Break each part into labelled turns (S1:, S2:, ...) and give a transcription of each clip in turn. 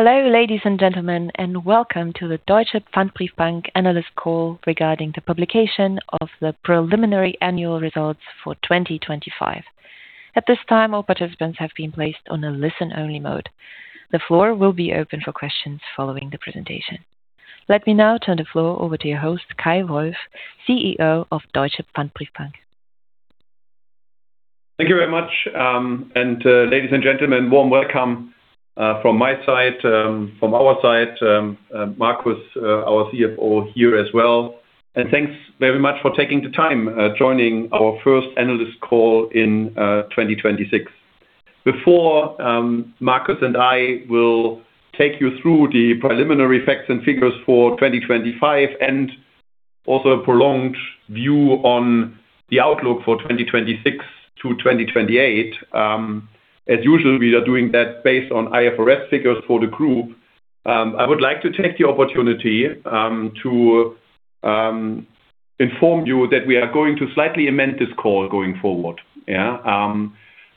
S1: Hello, ladies and gentlemen, and welcome to the Deutsche Pfandbriefbank analyst call regarding the publication of the preliminary annual results for 2025. At this time, all participants have been placed on a listen-only mode. The floor will be open for questions following the presentation. Let me now turn the floor over to your host, Kay Wolf, CEO of Deutsche Pfandbriefbank.
S2: Thank you very much. Ladies and gentlemen, warm welcome from my side, from our side. Marcus, our CFO here as well. Thanks very much for taking the time joining our first analyst call in 2026. Before Marcus and I will take you through the preliminary facts and figures for 2025 and also a prolonged view on the outlook for 2026-2028. As usual, we are doing that based on IFRS figures for the group. I would like to take the opportunity to inform you that we are going to slightly amend this call going forward. Yeah.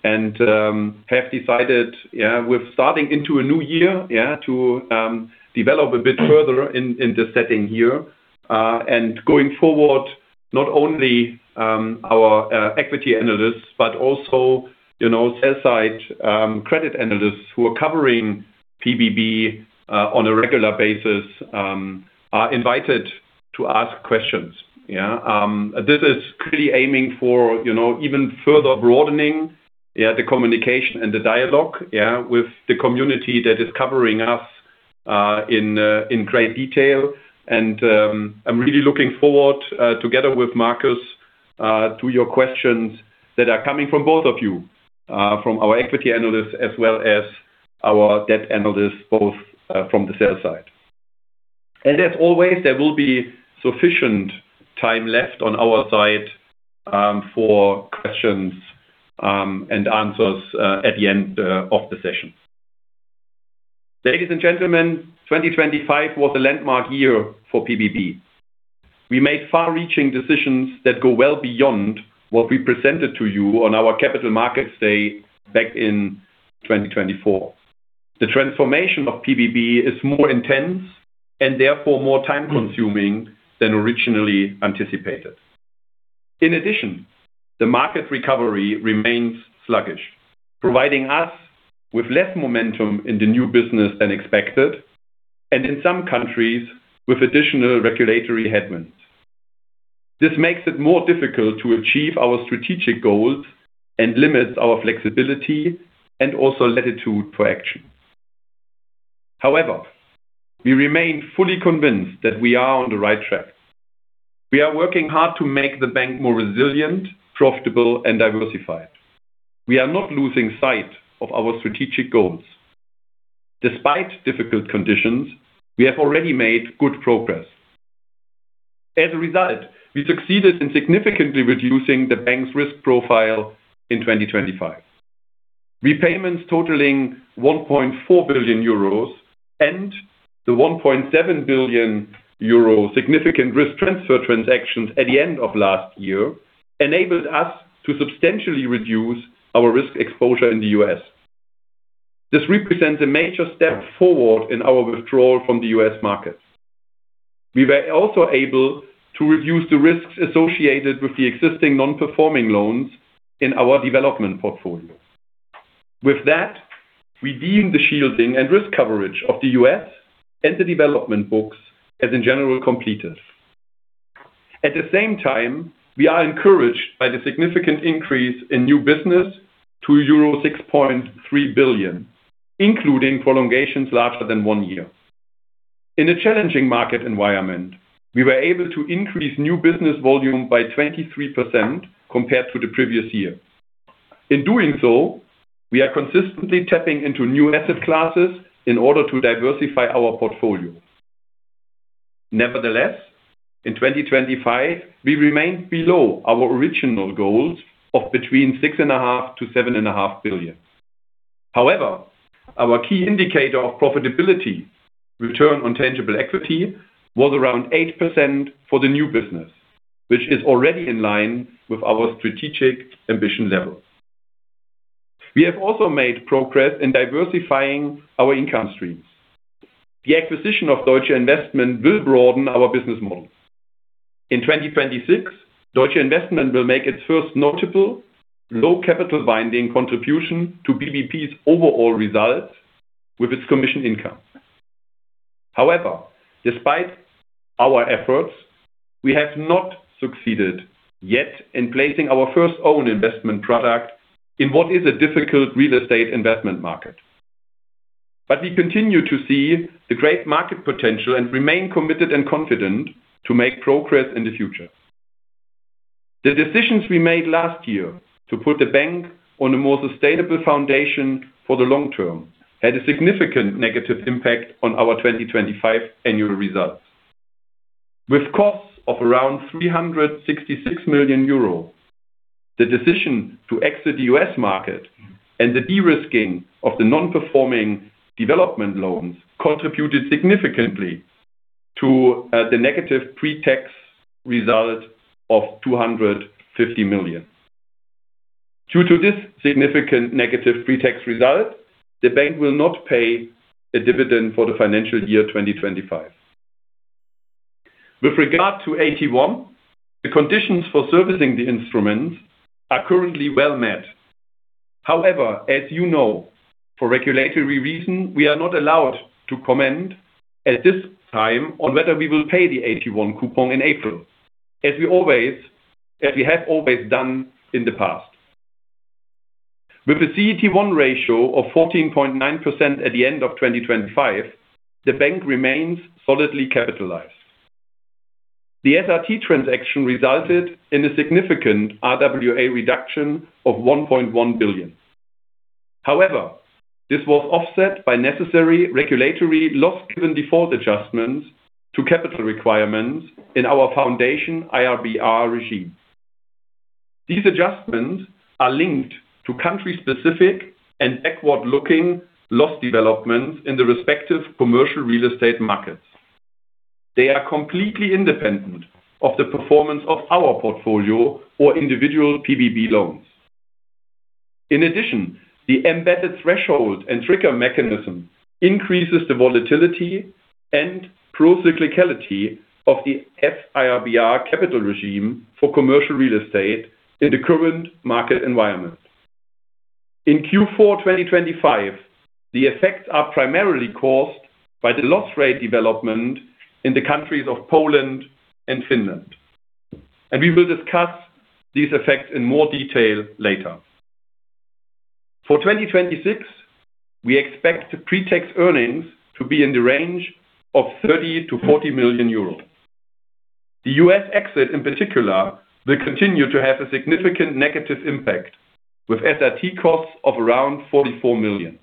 S2: Have decided, yeah, with starting into a new year, yeah, to develop a bit further in the setting here. Going forward, not only our equity analysts, but also you know, sell-side credit analysts who are covering PBB on a regular basis are invited to ask questions. This is clearly aiming for, you know, even further broadening the communication and the dialogue with the community that is covering us in great detail. I'm really looking forward together with Marcus to your questions that are coming from both of you, from our equity analysts as well as our debt analysts, both from the sell side. As always, there will be sufficient time left on our side for questions and answers at the end of the session. Ladies and gentlemen, 2025 was a landmark year for PBB. We made far-reaching decisions that go well beyond what we presented to you on our Capital Markets Day back in 2024. The transformation of PBB is more intense and therefore more time-consuming than originally anticipated. In addition, the market recovery remains sluggish, providing us with less momentum in the new business than expected and in some countries with additional regulatory headwinds. This makes it more difficult to achieve our strategic goals and limits our flexibility and also latitude for action. However, we remain fully convinced that we are on the right track. We are working hard to make the bank more resilient, profitable and diversified. We are not losing sight of our strategic goals. Despite difficult conditions, we have already made good progress. As a result, we succeeded in significantly reducing the bank's risk profile in 2025. Repayments totaling 1.4 billion euros and the 1.7 billion euro significant risk transfer transactions at the end of last year enabled us to substantially reduce our risk exposure in the U.S.. This represents a major step forward in our withdrawal from the U.S. market. We were also able to reduce the risks associated with the existing non-performing loans in our development portfolio. With that, we deem the shielding and risk coverage of the U.S. and the development books as in general completed. At the same time, we are encouraged by the significant increase in new business to euro 6.3 billion, including prolongations larger than 1 year. In a challenging market environment, we were able to increase new business volume by 23% compared to the previous year. In doing so, we are consistently tapping into new asset classes in order to diversify our portfolio. In 2025 we remained below our original goals of between 6.5 billion-7.5 billion. Our key indicator of profitability, return on tangible equity, was around 8% for the new business, which is already in line with our strategic ambition level. We have also made progress in diversifying our income streams. The acquisition of Deutsche Investment will broaden our business model. In 2026, Deutsche Investment will make its first notable low capital binding contribution to PBB's overall results with its commission income. Despite our efforts, we have not succeeded yet in placing our first own investment product in what is a difficult real estate investment market. We continue to see the great market potential and remain committed and confident to make progress in the future. The decisions we made last year to put the bank on a more sustainable foundation for the long term had a significant negative impact on our 2025 annual results. With costs of around 366 million euro, the decision to exit the U.S. market and the de-risking of the non-performing development loans contributed significantly to the negative pre-tax result of 250 million. Due to this significant negative pre-tax result, the bank will not pay a dividend for the financial year 2025. With regard to AT1, the conditions for servicing the instruments are currently well met. However, as you know, for regulatory reason, we are not allowed to comment at this time on whether we will pay the AT1 coupon in April as we have always done in the past. With a CET1 ratio of 14.9% at the end of 2025, the bank remains solidly capitalized. The SRT transaction resulted in a significant RWA reduction of 1.1 billion. This was offset by necessary regulatory loss-given default adjustments to capital requirements in our F-IRB regime. These adjustments are linked to country-specific and backward-looking loss developments in the respective commercial real estate markets. They are completely independent of the performance of our portfolio or individual PBB loans. The embedded threshold and trigger mechanism increases the volatility and procyclicality of the F-IRB capital regime for commercial real estate in the current market environment. In Q4 2025, the effects are primarily caused by the loss rate development in the countries of Poland and Finland. We will discuss these effects in more detail later. For 2026, we expect pre-tax earnings to be in the range of 30 million-40 million euros. The U.S. exit in particular will continue to have a significant negative impact with SRT costs of around 44 million.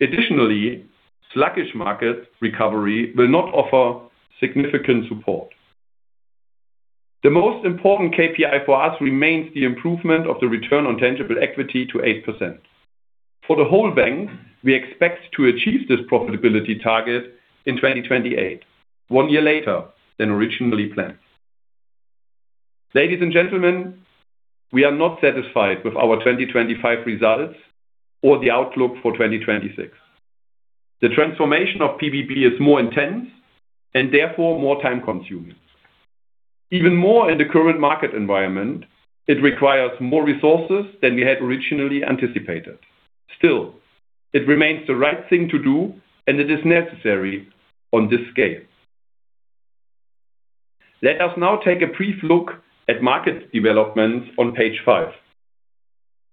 S2: Additionally, sluggish market recovery will not offer significant support. The most important KPI for us remains the improvement of the return on tangible equity to 8%. For the whole bank, we expect to achieve this profitability target in 2028, one year later than originally planned. Ladies and gentlemen, we are not satisfied with our 2025 results or the outlook for 2026. The transformation of PBB is more intense and therefore more time-consuming. Even more in the current market environment, it requires more resources than we had originally anticipated. Still, it remains the right thing to do, and it is necessary on this scale. Let us now take a brief look at market developments on page 5.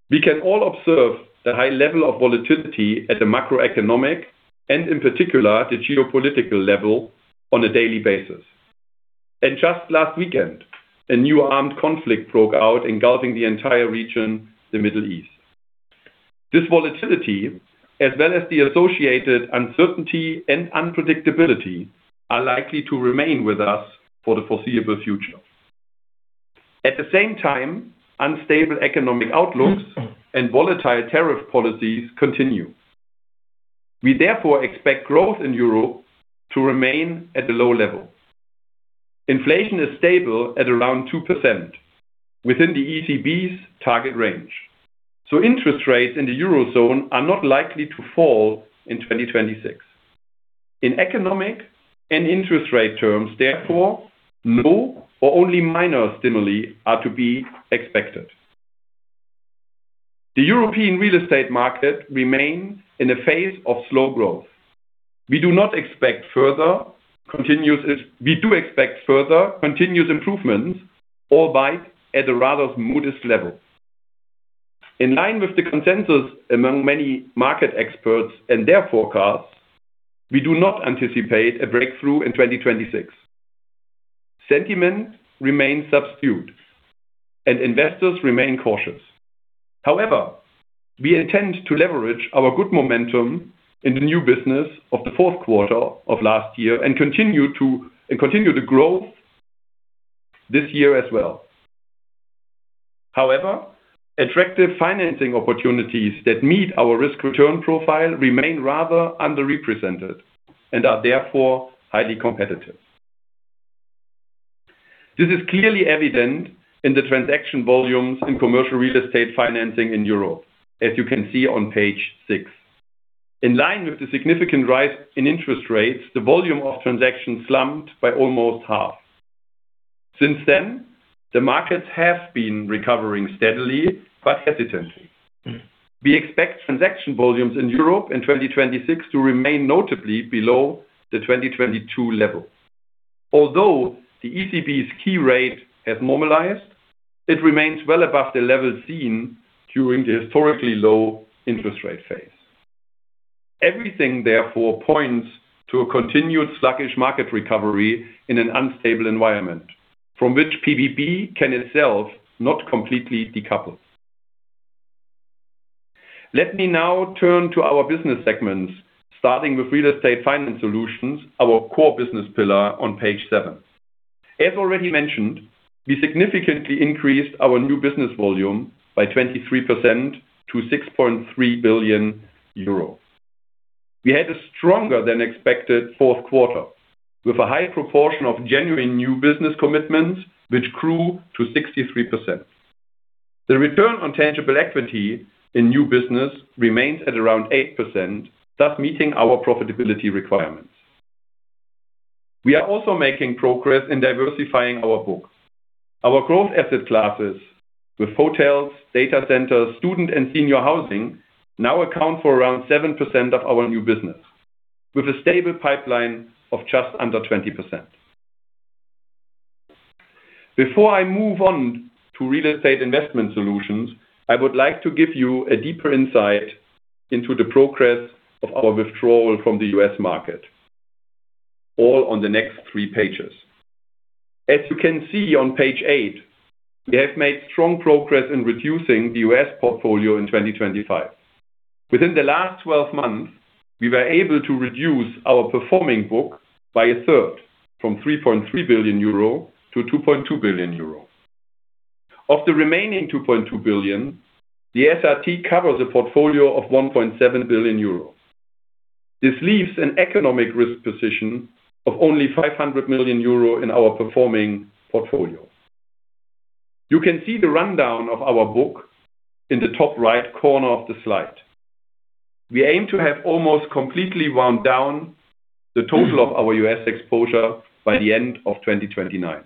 S2: We can all observe the high level of volatility at the macroeconomic and in particular the geopolitical level on a daily basis. Just last weekend, a new armed conflict broke out engulfing the entire region, the Middle East. This volatility, as well as the associated uncertainty and unpredictability, are likely to remain with us for the foreseeable future. At the same time, unstable economic outlooks and volatile tariff policies continue. We therefore expect growth in Europe to remain at a low level. Inflation is stable at around 2% within the ECB's target range. Interest rates in the Eurozone are not likely to fall in 2026. In economic and interest rate terms, therefore, low or only minor stimuli are to be expected. The European real estate market remains in a phase of slow growth. We do expect further continuous improvements, albeit at a rather modest level. In line with the consensus among many market experts and their forecasts, we do not anticipate a breakthrough in 2026. Sentiment remains subdued and investors remain cautious. However, we intend to leverage our good momentum in the new business of the fourth quarter of last year and continue to grow this year as well. However, attractive financing opportunities that meet our risk return profile remain rather underrepresented and are therefore highly competitive. This is clearly evident in the transaction volumes in commercial real estate financing in Europe, as you can see on page 6. In line with the significant rise in interest rates, the volume of transactions slumped by almost half. Since then, the markets have been recovering steadily but hesitantly. We expect transaction volumes in Europe in 2026 to remain notably below the 2022 level. Although the ECB's key rate has normalized, it remains well above the level seen during the historically low interest rate phase. Everything therefore points to a continued sluggish market recovery in an unstable environment from which PBB can itself not completely decouple. Let me now turn to our business segments, starting with Real Estate Finance Solutions, our core business pillar on page seven. Already mentioned, we significantly increased our new business volume by 23% to 6.3 billion euro. We had a stronger than expected fourth quarter with a high proportion of genuine new business commitments which grew to 63%. The return on tangible equity in new business remains at around 8%, thus meeting our profitability requirements. We are also making progress in diversifying our books. Our growth asset classes with hotels, data centers, student and senior housing now account for around 7% of our new business with a stable pipeline of just under 20%. Before I move on to Real Estate Investment Solutions, I would like to give you a deeper insight into the progress of our withdrawal from the U.S. market, all on the next 3 pages. As you can see on page 8, we have made strong progress in reducing the U.S. portfolio in 2025. Within the last 12 months, we were able to reduce our performing books by a third from 3.3 billion euro to 2.2 billion euro. Of the remaining 2.2 billion, the SRT covers a portfolio of 1.7 billion euro. This leaves an economic risk position of only 500 million euro in our performing portfolio. You can see the rundown of our book in the top right corner of the slide. We aim to have almost completely wound down the total of our U.S. exposure by the end of 2029.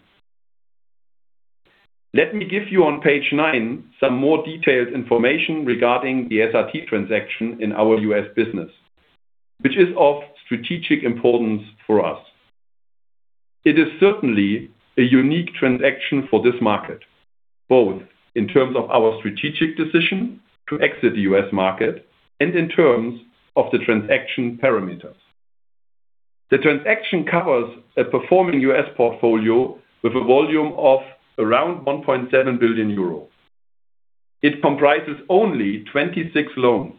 S2: Let me give you on page 9 some more detailed information regarding the SRT transaction in our U.S. business, which is of strategic importance for us. It is certainly a unique transaction for this market, both in terms of our strategic decision to exit the U.S. market and in terms of the transaction parameters. The transaction covers a performing U.S. portfolio with a volume of around 1.7 billion euro. It comprises only 26 loans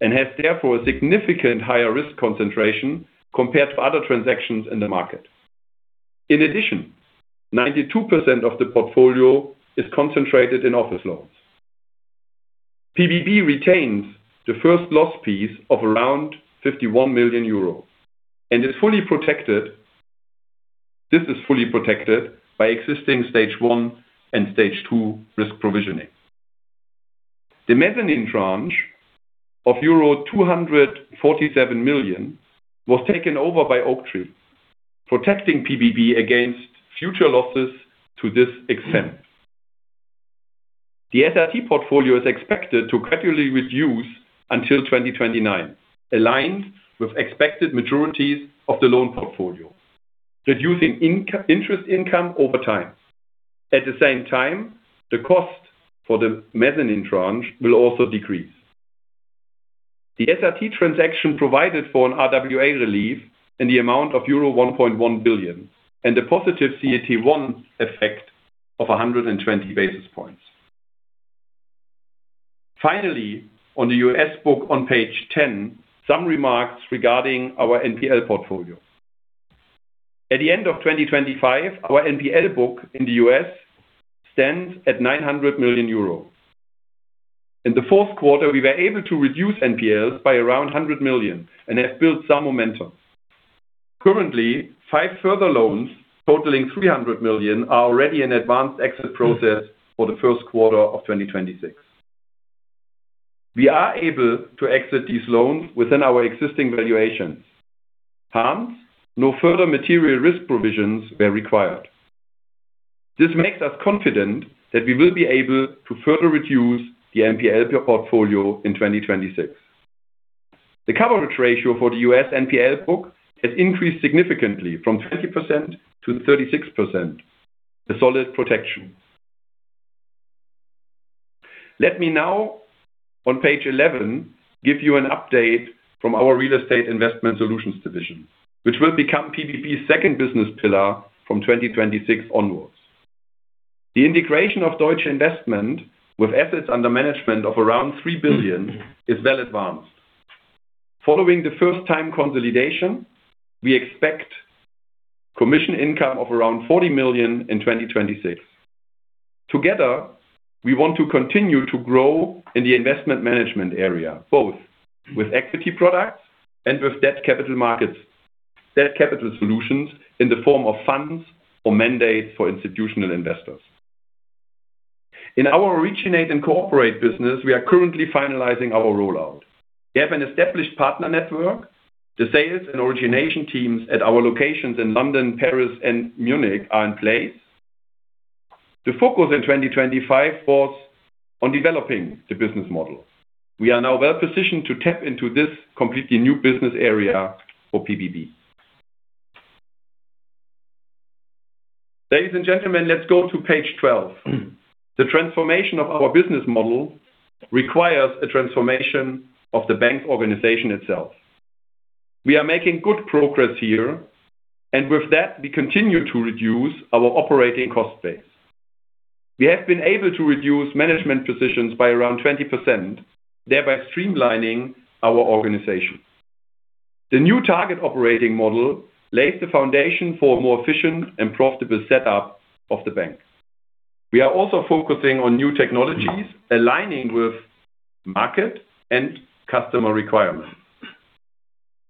S2: and has therefore a significant higher risk concentration compared to other transactions in the market. In addition, 92% of the portfolio is concentrated in office loans. PBB retains the first loss piece of around 51 million euros and is fully protected. This is fully protected by existing Stage One and Stage Two risk provisioning. The mezzanine tranche of euro 247 million was taken over by Oaktree, protecting PBB against future losses to this extent. The SRT portfolio is expected to gradually reduce until 2029, aligned with expected maturities of the loan portfolio, reducing interest income over time. At the same time, the cost for the mezzanine tranche will also decrease. The SRT transaction provided for an RWA relief in the amount of euro 1.1 billion and a positive CET1 effect of 120 basis points. Finally, on the U.S. book on page 10, some remarks regarding our NPL portfolio. At the end of 2025, our NPL book in the U.S. stands at 900 million euro. In the fourth quarter, we were able to reduce NPLs by around 100 million and have built some momentum. Currently, 5 further loans totaling 300 million are already in advanced exit process for the first quarter of 2026. We are able to exit these loans within our existing valuations. No further material risk provisions were required. This makes us confident that we will be able to further reduce the NPL portfolio in 2026. The coverage ratio for the U.S. NPL book has increased significantly from 20% to 36%, a solid protection. Let me now on page 11 give you an update from our Real Estate Investment Solutions division, which will become PBB's second business pillar from 2026 onwards. The integration of Deutsche Investment with assets under management of around 3 billion is well advanced. Following the first time consolidation, we expect commission income of around 40 million in 2026. Together, we want to continue to grow in the investment management area, both with equity products and with debt capital markets-- debt capital solutions in the form of funds or mandates for institutional investors. In our Originate and Cooperate business, we are currently finalizing our rollout. We have an established partner network. The sales and origination teams at our locations in London, Paris and Munich are in place. The focus in 2025 was on developing the business model. We are now well positioned to tap into this completely new business area for PBB. Ladies and gentlemen, let's go to page 12. The transformation of our business model requires a transformation of the bank organization itself. We are making good progress here, and with that, we continue to reduce our operating cost base. We have been able to reduce management positions by around 20%, thereby streamlining our organization. The new target operating model lays the foundation for a more efficient and profitable setup of the bank. We are also focusing on new technologies aligning with market and customer requirements.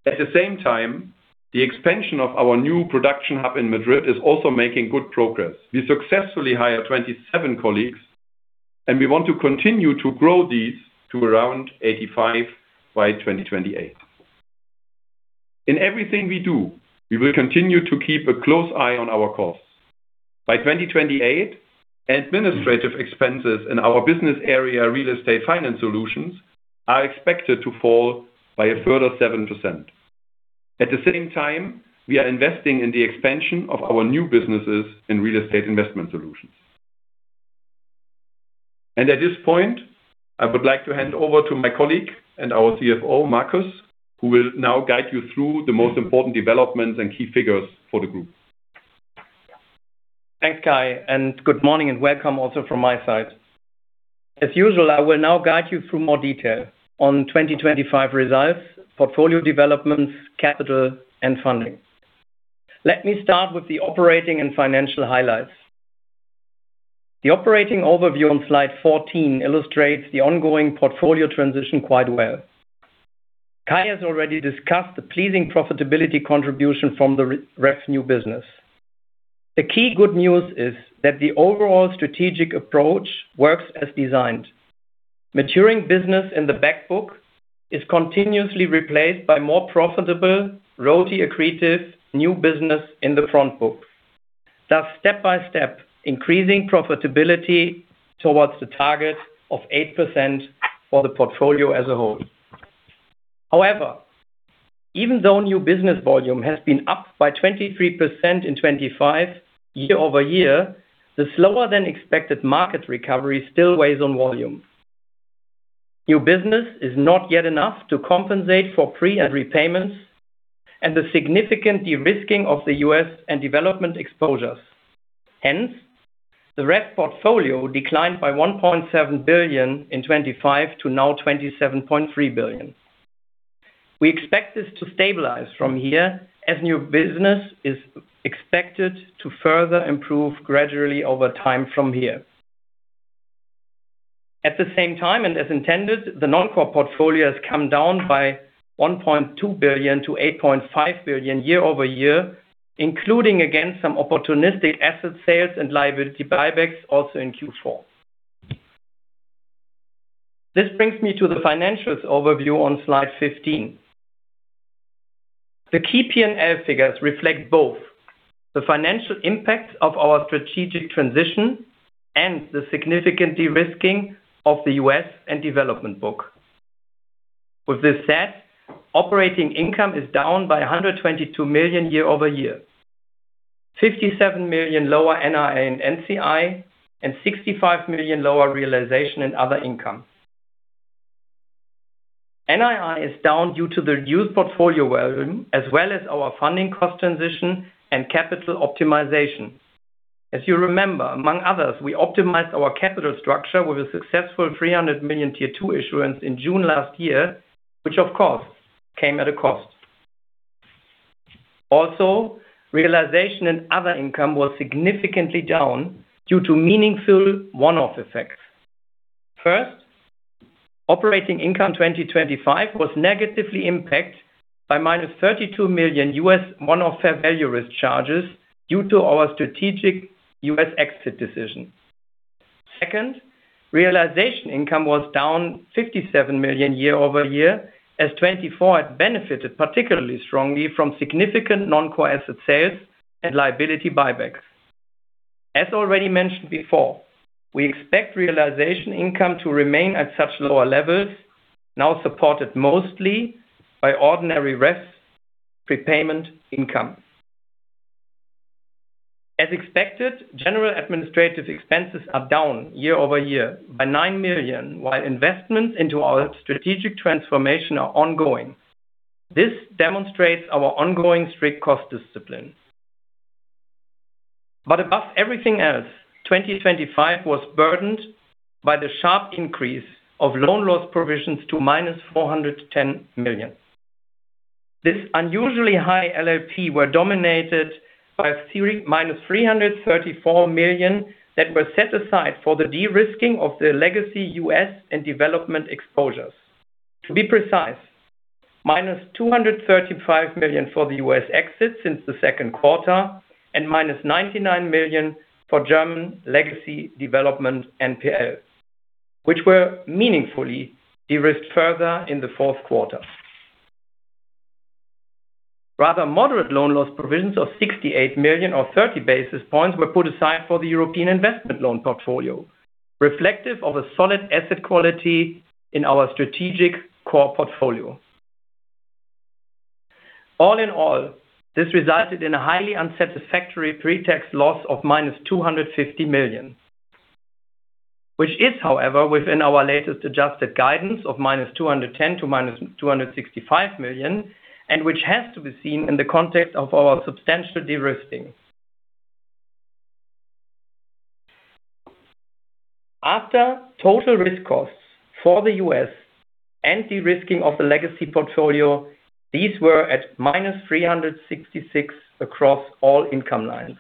S2: At the same time, the expansion of our new production hub in Madrid is also making good progress. We successfully hired 27 colleagues, and we want to continue to grow these to around 85 by 2028. In everything we do, we will continue to keep a close eye on our costs. By 2028, administrative expenses in our business area, Real Estate Finance Solutions, are expected to fall by a further 7%. At the same time, we are investing in the expansion of our new businesses in Real Estate Investment Solutions. At this point, I would like to hand over to my colleague and our CFO, Marcus, who will now guide you through the most important developments and key figures for the group.
S3: Thanks, Kay, good morning and welcome also from my side. As usual, I will now guide you through more detail on 2025 results, portfolio developments, capital, and funding. Let me start with the operating and financial highlights. The operating overview on slide 14 illustrates the ongoing portfolio transition quite well. Kay has already discussed the pleasing profitability contribution from the REF's new business. The key good news is that the overall strategic approach works as designed. Maturing business in the back book is continuously replaced by more profitable, RoTE accretive new business in the front book. Thus, step by step, increasing profitability towards the target of 8% for the portfolio as a whole. However, even though new business volume has been up by 23% in 2025 year-over-year, the slower than expected market recovery still weighs on volume. New business is not yet enough to compensate for pre and repayments and the significant de-risking of the U.S. and development exposures. Hence, the REF portfolio declined by 1.7 billion in 2025 to now 27.3 billion. We expect this to stabilize from here as new business is expected to further improve gradually over time from here. At the same time, and as intended, the non-core portfolio has come down by 1.2 billion to 8.5 billion year-over-year, including, again, some opportunistic asset sales and liability buybacks also in Q4. This brings me to the financials overview on slide 15. The key P&L figures reflect both the financial impact of our strategic transition and the significant de-risking of the U.S. and development book. With this said, operating income is down by 122 million year-over-year. 57 million lower NII and NCI and 65 million lower realization in other income. NII is down due to the reduced portfolio volume as well as our funding cost transition and capital optimization. As you remember, among others, we optimized our capital structure with a successful 300 million Tier 2 issuance in June last year, which of course came at a cost. Also, realization in other income was significantly down due to meaningful one-off effects. First, operating income 2025 was negatively impacted by -$32 million U.S. one-off fair value risk charges due to our strategic U.S. exit decision. Second, realization income was down 57 million year-over-year as 2024 had benefited particularly strongly from significant non-core asset sales and liability buybacks. As already mentioned before, we expect realization income to remain at such lower levels now supported mostly by ordinary REF's prepayment income. As expected, general administrative expenses are down year-over-year by 9 million, while investments into our strategic transformation are ongoing. This demonstrates our ongoing strict cost discipline. Above everything else, 2025 was burdened by the sharp increase of loan loss provisions to minus 410 million. This unusually high LLP were dominated by a series minus 334 million that were set aside for the de-risking of the legacy U.S. and development exposures. To be precise, minus 235 million for the U.S. exit since the second quarter and minus 99 million for German legacy development NPL, which were meaningfully de-risked further in the fourth quarter. Rather moderate loan loss provisions of 68 million or 30 basis points were put aside for the European investment loan portfolio, reflective of a solid asset quality in our strategic core portfolio. All in all, this resulted in a highly unsatisfactory pre-tax loss of -250 million, which is, however, within our latest adjusted guidance of -210 million to -265 million, and which has to be seen in the context of our substantial de-risking. After total risk costs for the U.S. and de-risking of the legacy portfolio, these were at -366 million across all income lines.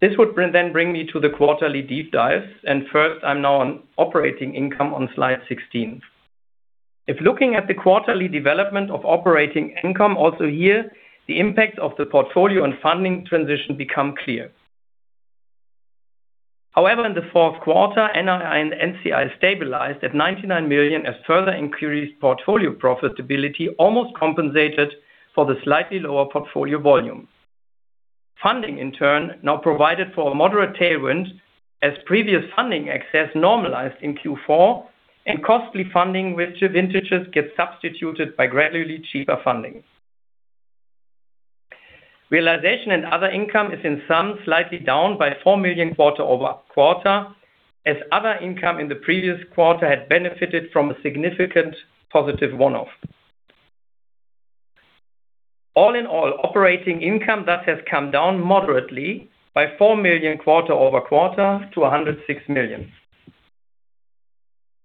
S3: This would then bring me to the quarterly deep dive, and first I'm now on operating income on slide 16. If looking at the quarterly development of operating income also here, the impact of the portfolio and funding transition become clear. However, in the fourth quarter, NII and NCI stabilized at 99 million as further inquiries portfolio profitability almost compensated for the slightly lower portfolio volume. Funding, in turn, now provided for a moderate tailwind as previous funding excess normalized in Q4 and costly funding which vintages get substituted by gradually cheaper funding. Realization and other income is in sum slightly down by 4 million quarter-over-quarter, as other income in the previous quarter had benefited from a significant positive one-off. All in all, operating income thus has come down moderately by 4 million quarter-over-quarter to 106 million.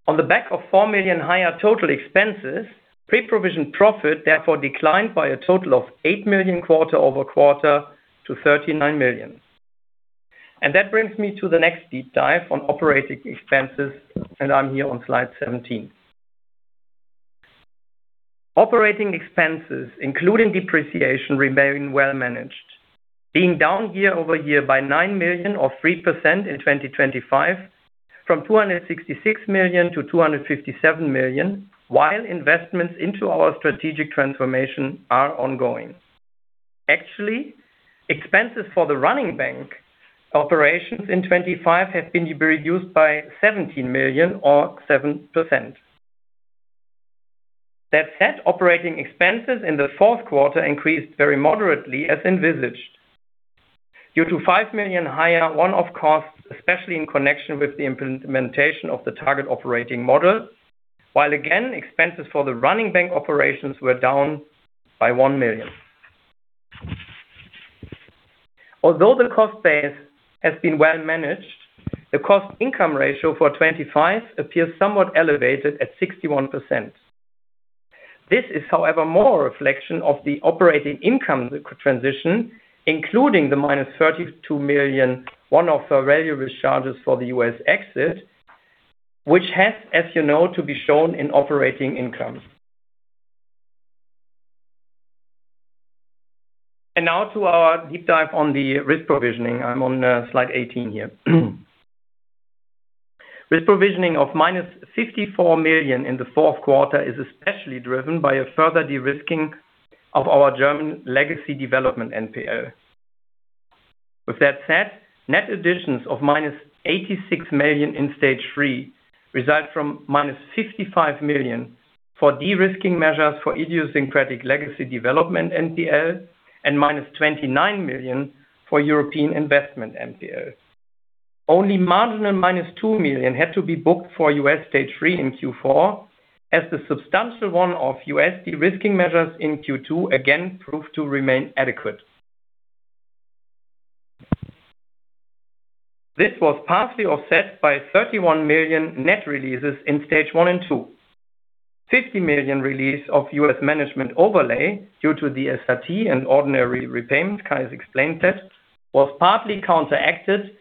S3: On the back of 4 million higher total expenses, pre-provision profit therefore declined by a total of 8 million quarter-over-quarter to 39 million. That brings me to the next deep dive on operating expenses, and I'm here on slide 17. Operating expenses, including depreciation, remain well managed, being down year-over-year by 9 million or 3% in 2025 from 266 million to 257 million, while investments into our strategic transformation are ongoing. Expenses for the running bank operations in 2025 have been reduced by 17 million or 7%. That said, operating expenses in the fourth quarter increased very moderately as envisaged. Due to 5 million higher one-off costs, especially in connection with the implementation of the target operating model, while again, expenses for the running bank operations were down by 1 million. Although the cost base has been well managed, the cost income ratio for 2025 appears somewhat elevated at 61%. This is however more a reflection of the operating income transition, including the - 32 million, one of the value discharges for the U.S. exit, which has, as you know, to be shown in operating income. Now to our deep dive on the risk provisioning. I'm on slide 18 here. Risk provisioning of - 54 million in the fourth quarter is especially driven by a further de-risking of our German legacy development NPL. With that said, net additions of -86 million in Stage 3 result from - 55 million for de-risking measures for idiosyncratic legacy development NPL and - 29 million for European Investment NPL. Only marginal - 2 million had to be booked for U.S. Stage 3 in Q4 as the substantial one of U.S.D risking measures in Q2 again proved to remain adequate. This was partly offset by 31 million net releases in Stage 1 and 2. 50 million release of U.S. management overlay due to the SRT and ordinary repayment, as Kay explained that, was partly counteracted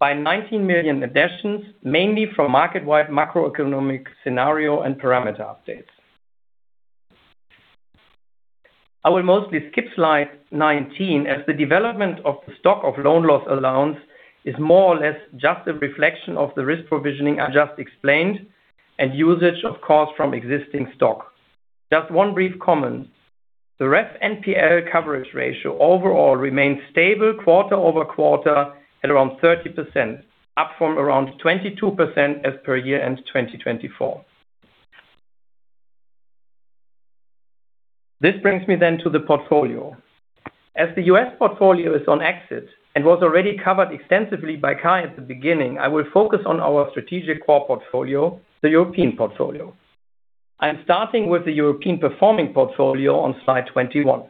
S3: by 19 million additions, mainly from market-wide macroeconomic scenario and parameter updates. I will mostly skip slide 19 as the development of the stock of loan loss allowance is more or less just a reflection of the risk provisioning I just explained and usage of costs from existing stock. Just one brief comment. The REF NPL coverage ratio overall remains stable quarter-over-quarter at around 30%, up from around 22% as per year-end 2024. This brings me to the portfolio. As the U.S. portfolio is on exit and was already covered extensively by Kay at the beginning, I will focus on our strategic core portfolio, the European portfolio. I am starting with the European performing portfolio on slide 21.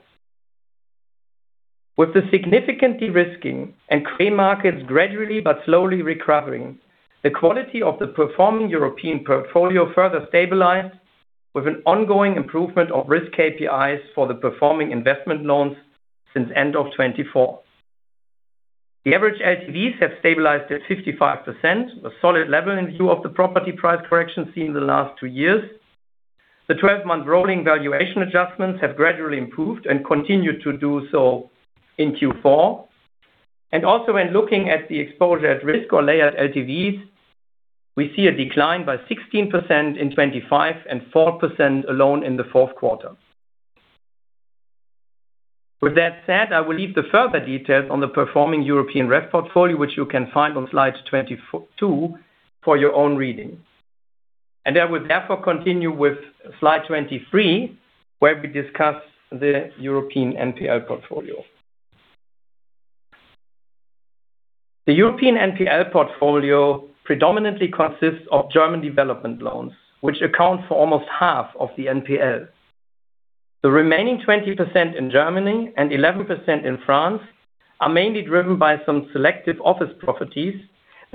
S3: With the significant de-risking and key markets gradually but slowly recovering, the quality of the performing European portfolio further stabilized with an ongoing improvement of risk KPIs for the performing investment loans since end of 2024. The average LTVs have stabilized at 55%, a solid level in view of the property price correction seen in the last two years. The 12-month rolling valuation adjustments have gradually improved and continued to do so in Q4. Also when looking at the exposure at risk or layered LTVs, we see a decline by 16% in 2025 and 4% alone in the fourth quarter. With that said, I will leave the further details on the performing European REF portfolio, which you can find on slide 22 for your own reading. I will therefore continue with slide 23, where we discuss the European NPL portfolio. The European NPL portfolio predominantly consists of German development loans, which account for almost half of the NPL. The remaining 20% in Germany and 11% in France are mainly driven by some selective office properties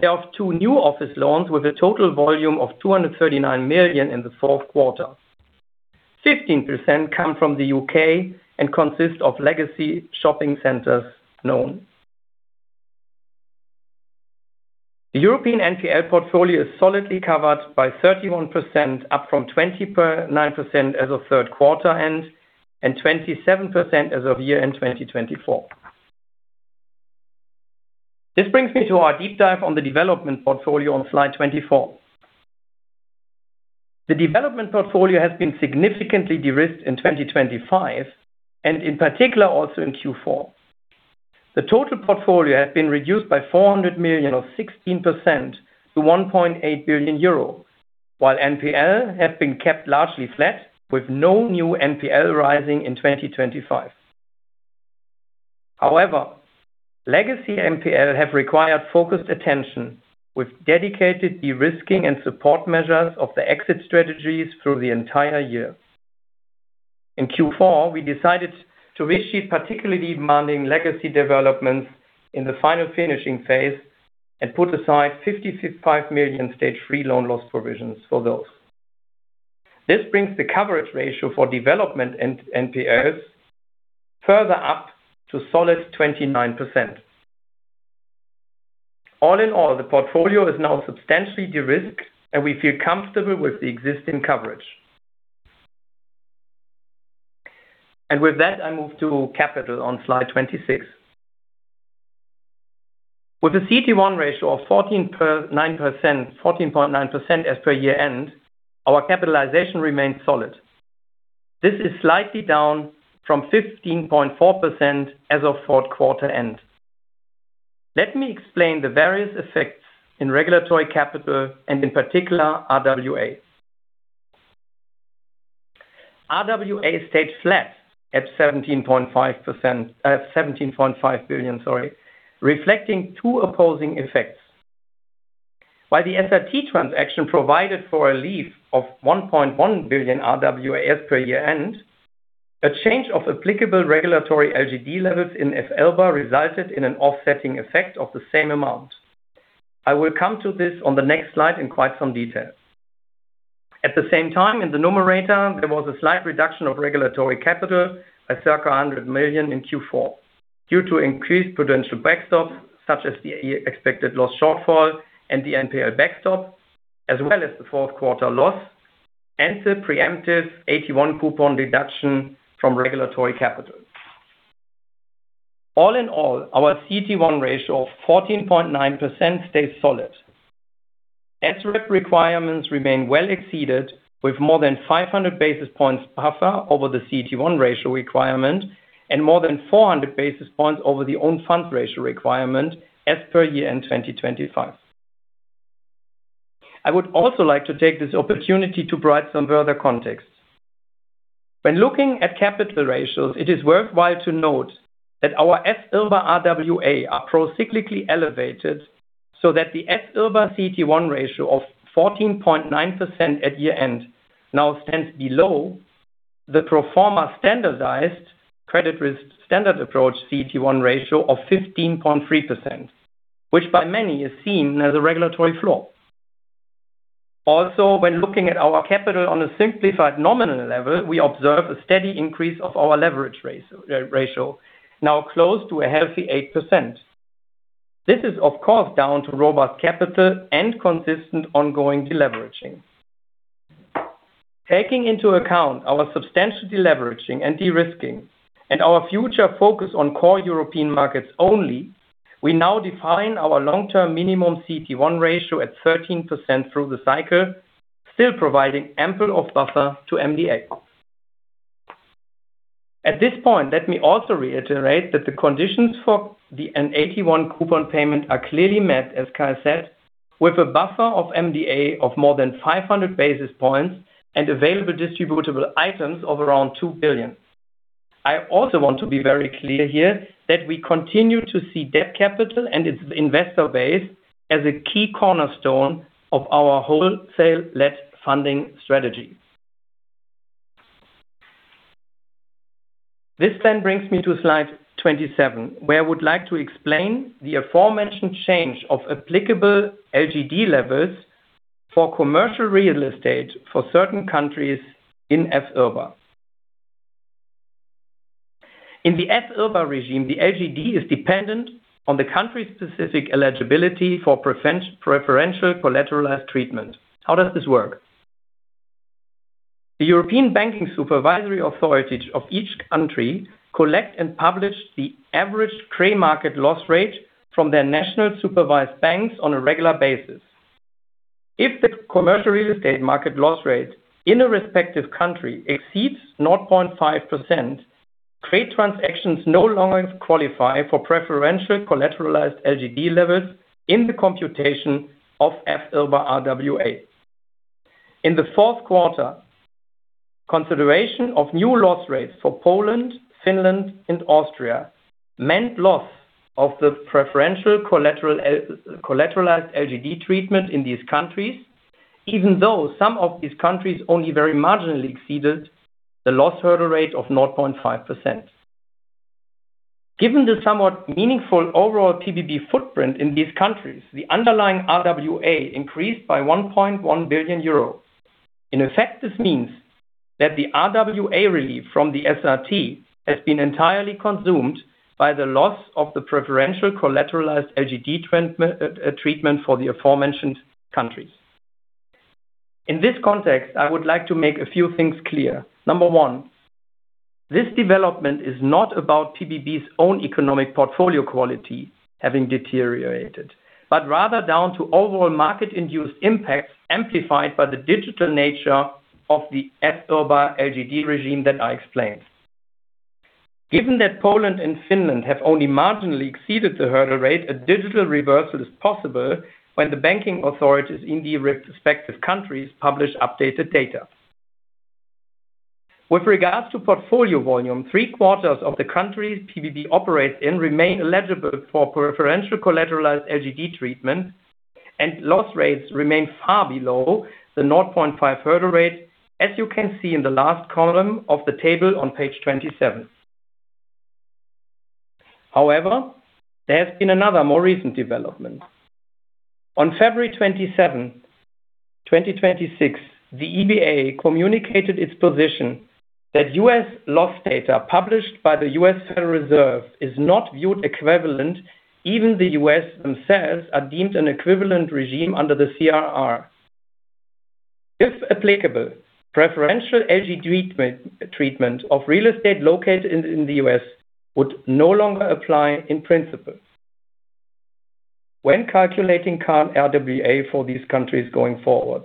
S3: of two new office loans with a total volume of 239 million in the fourth quarter. 15% come from the U.K. and consist of legacy shopping centers known. The European NPL portfolio is solidly covered by 31%, up from 29% as of third quarter end and 27% as of year-end 2024. This brings me to our deep dive on the development portfolio on slide 24. The development portfolio has been significantly de-risked in 2025, and in particular also in Q4. The total portfolio has been reduced by 400 million or 16% to 1.8 billion euro, while NPL have been kept largely flat, with no new NPL rising in 2025. However, legacy NPL have required focused attention with dedicated de-risking and support measures of the exit strategies through the entire year. In Q4, we decided to resheet particularly demanding legacy developments in the final finishing phase and put aside 55 million Stage Three loan loss provisions for those. This brings the coverage ratio for development NP-NPLs further up to solid 29%. All in all, the portfolio is now substantially de-risked and we feel comfortable with the existing coverage. With that, I move to capital on slide 26. With a CET1 ratio of 14.9% as per year-end, our capitalization remains solid. This is slightly down from 15.4% as of fourth quarter end. Let me explain the various effects in regulatory capital and in particular RWA. RWA stayed flat at 17.5 billion, sorry, reflecting two opposing effects. While the SRT transaction provided for a leave of 1.1 billion RWAs per year-end, a change of applicable regulatory LGD levels in FIRB resulted in an offsetting effect of the same amount. I will come to this on the next slide in quite some detail. At the same time, in the numerator, there was a slight reduction of regulatory capital at circa 100 million in Q4 due to increased potential backstop, such as the expected loss shortfall and the NPL backstop, as well as the fourth quarter loss and the preemptive AT1 coupon reduction from regulatory capital. All in all, our CET1 ratio of 14.9% stays solid. SREP requirements remain well exceeded with more than 500 basis points buffer over the CET1 ratio requirement and more than 400 basis points over the own funds ratio requirement as per year-end 2025. I would also like to take this opportunity to provide some further context. When looking at capital ratios, it is worthwhile to note that our F-IRB RWA are procyclically elevated so that the F-IRB CET1 ratio of 14.9% at year-end now stands below the pro forma standardised Credit Risk Standardised Approach CET1 ratio of 15.3%, which by many is seen as a regulatory flaw. Also, when looking at our capital on a simplified nominal level, we observe a steady increase of our leverage ratio, now close to a healthy 8%. This is, of course, down to robust capital and consistent ongoing deleveraging. Taking into account our substantial deleveraging and de-risking and our future focus on core European markets only, we now define our long-term minimum CET1 ratio at 13% through the cycle, still providing ample of buffer to MDA. At this point, let me also reiterate that the conditions for the AT1 coupon payment are clearly met, as Kay said, with a buffer of MDA of more than 500 basis points and available distributable items of around 2 billion. I also want to be very clear here that we continue to see debt capital and its investor base as a key cornerstone of our wholesale-led funding strategy. This brings me to slide 27, where I would like to explain the aforementioned change of applicable LGD levels for commercial real estate for certain countries in FIRB. In the F-IRB regime, the LGD is dependent on the country's specific eligibility for preferential collateralized treatment. How does this work? The European Banking Supervisory Authorities of each country collect and publish the average trade market loss rate from their national supervised banks on a regular basis. If the commercial real estate market loss rate in a respective country exceeds 0.5%, trade transactions no longer qualify for preferential collateralized LGD levels in the computation of F-IRB RWA. In the fourth quarter, consideration of new loss rates for Poland, Finland, and Austria meant loss of the preferential collateralized LGD treatment in these countries. Even though some of these countries only very marginally exceeded the loss hurdle rate of 0.5%. Given the somewhat meaningful overall PBB footprint in these countries, the underlying RWA increased by 1.1 billion euros. In effect, this means that the RWA relief from the SRT has been entirely consumed by the loss of the preferential collateralized LGD treatment for the aforementioned countries. Number one, this development is not about PBB's own economic portfolio quality having deteriorated, but rather down to overall market-induced impacts amplified by the digital nature of the SRB LGD regime that I explained. Given that Poland and Finland have only marginally exceeded the hurdle rate, a digital reversal is possible when the banking authorities in the respective countries publish updated data. With regards to portfolio volume, three-quarters of the countries PBB operates in remain eligible for preferential collateralized LGD treatment, and loss rates remain far below the 0.5 hurdle rate, as you can see in the last column of the table on page 27. There's been another more recent development. On February 27, 2026, the EBA communicated its position that U.S. loss data published by the U.S. Federal Reserve is not viewed equivalent, even the U.S. themselves are deemed an equivalent regime under the CRR. If applicable, preferential LGD treatment of real estate located in the U.S. would no longer apply in principle when calculating current RWA for these countries going forward.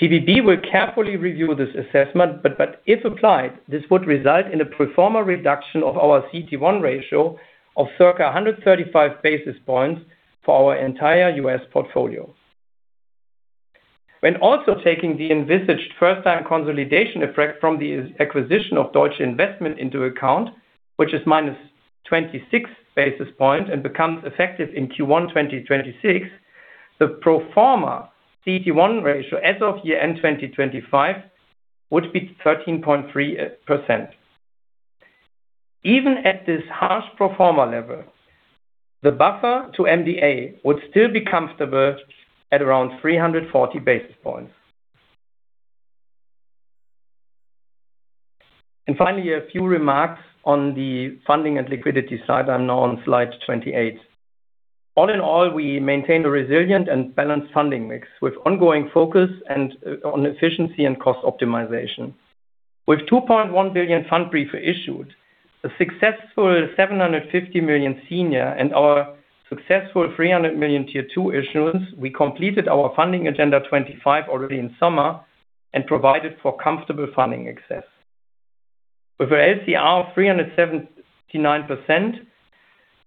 S3: PBB will carefully review this assessment, but if applied, this would result in a pro forma reduction of our CET1 ratio of circa 135 basis points for our entire U.S. portfolio. When also taking the envisaged first time consolidation effect from the acquisition of Deutsche Investment into account, which is -26 basis points and becomes effective in Q1 2026. The pro forma CET1 ratio as of year end 2025 would be 13.3%. Even at this harsh pro forma level, the buffer to MDA would still be comfortable at around 340 basis points. Finally, a few remarks on the funding and liquidity side. I'm now on slide 28. All in all, we maintain a resilient and balanced funding mix with ongoing focus and, on efficiency and cost optimization. With 2.1 billion Pfandbrief issued, a successful 750 million senior and our successful 300 million Tier 2 issuance, we completed our funding agenda 25 already in summer and provided for comfortable funding access. With LCR 379%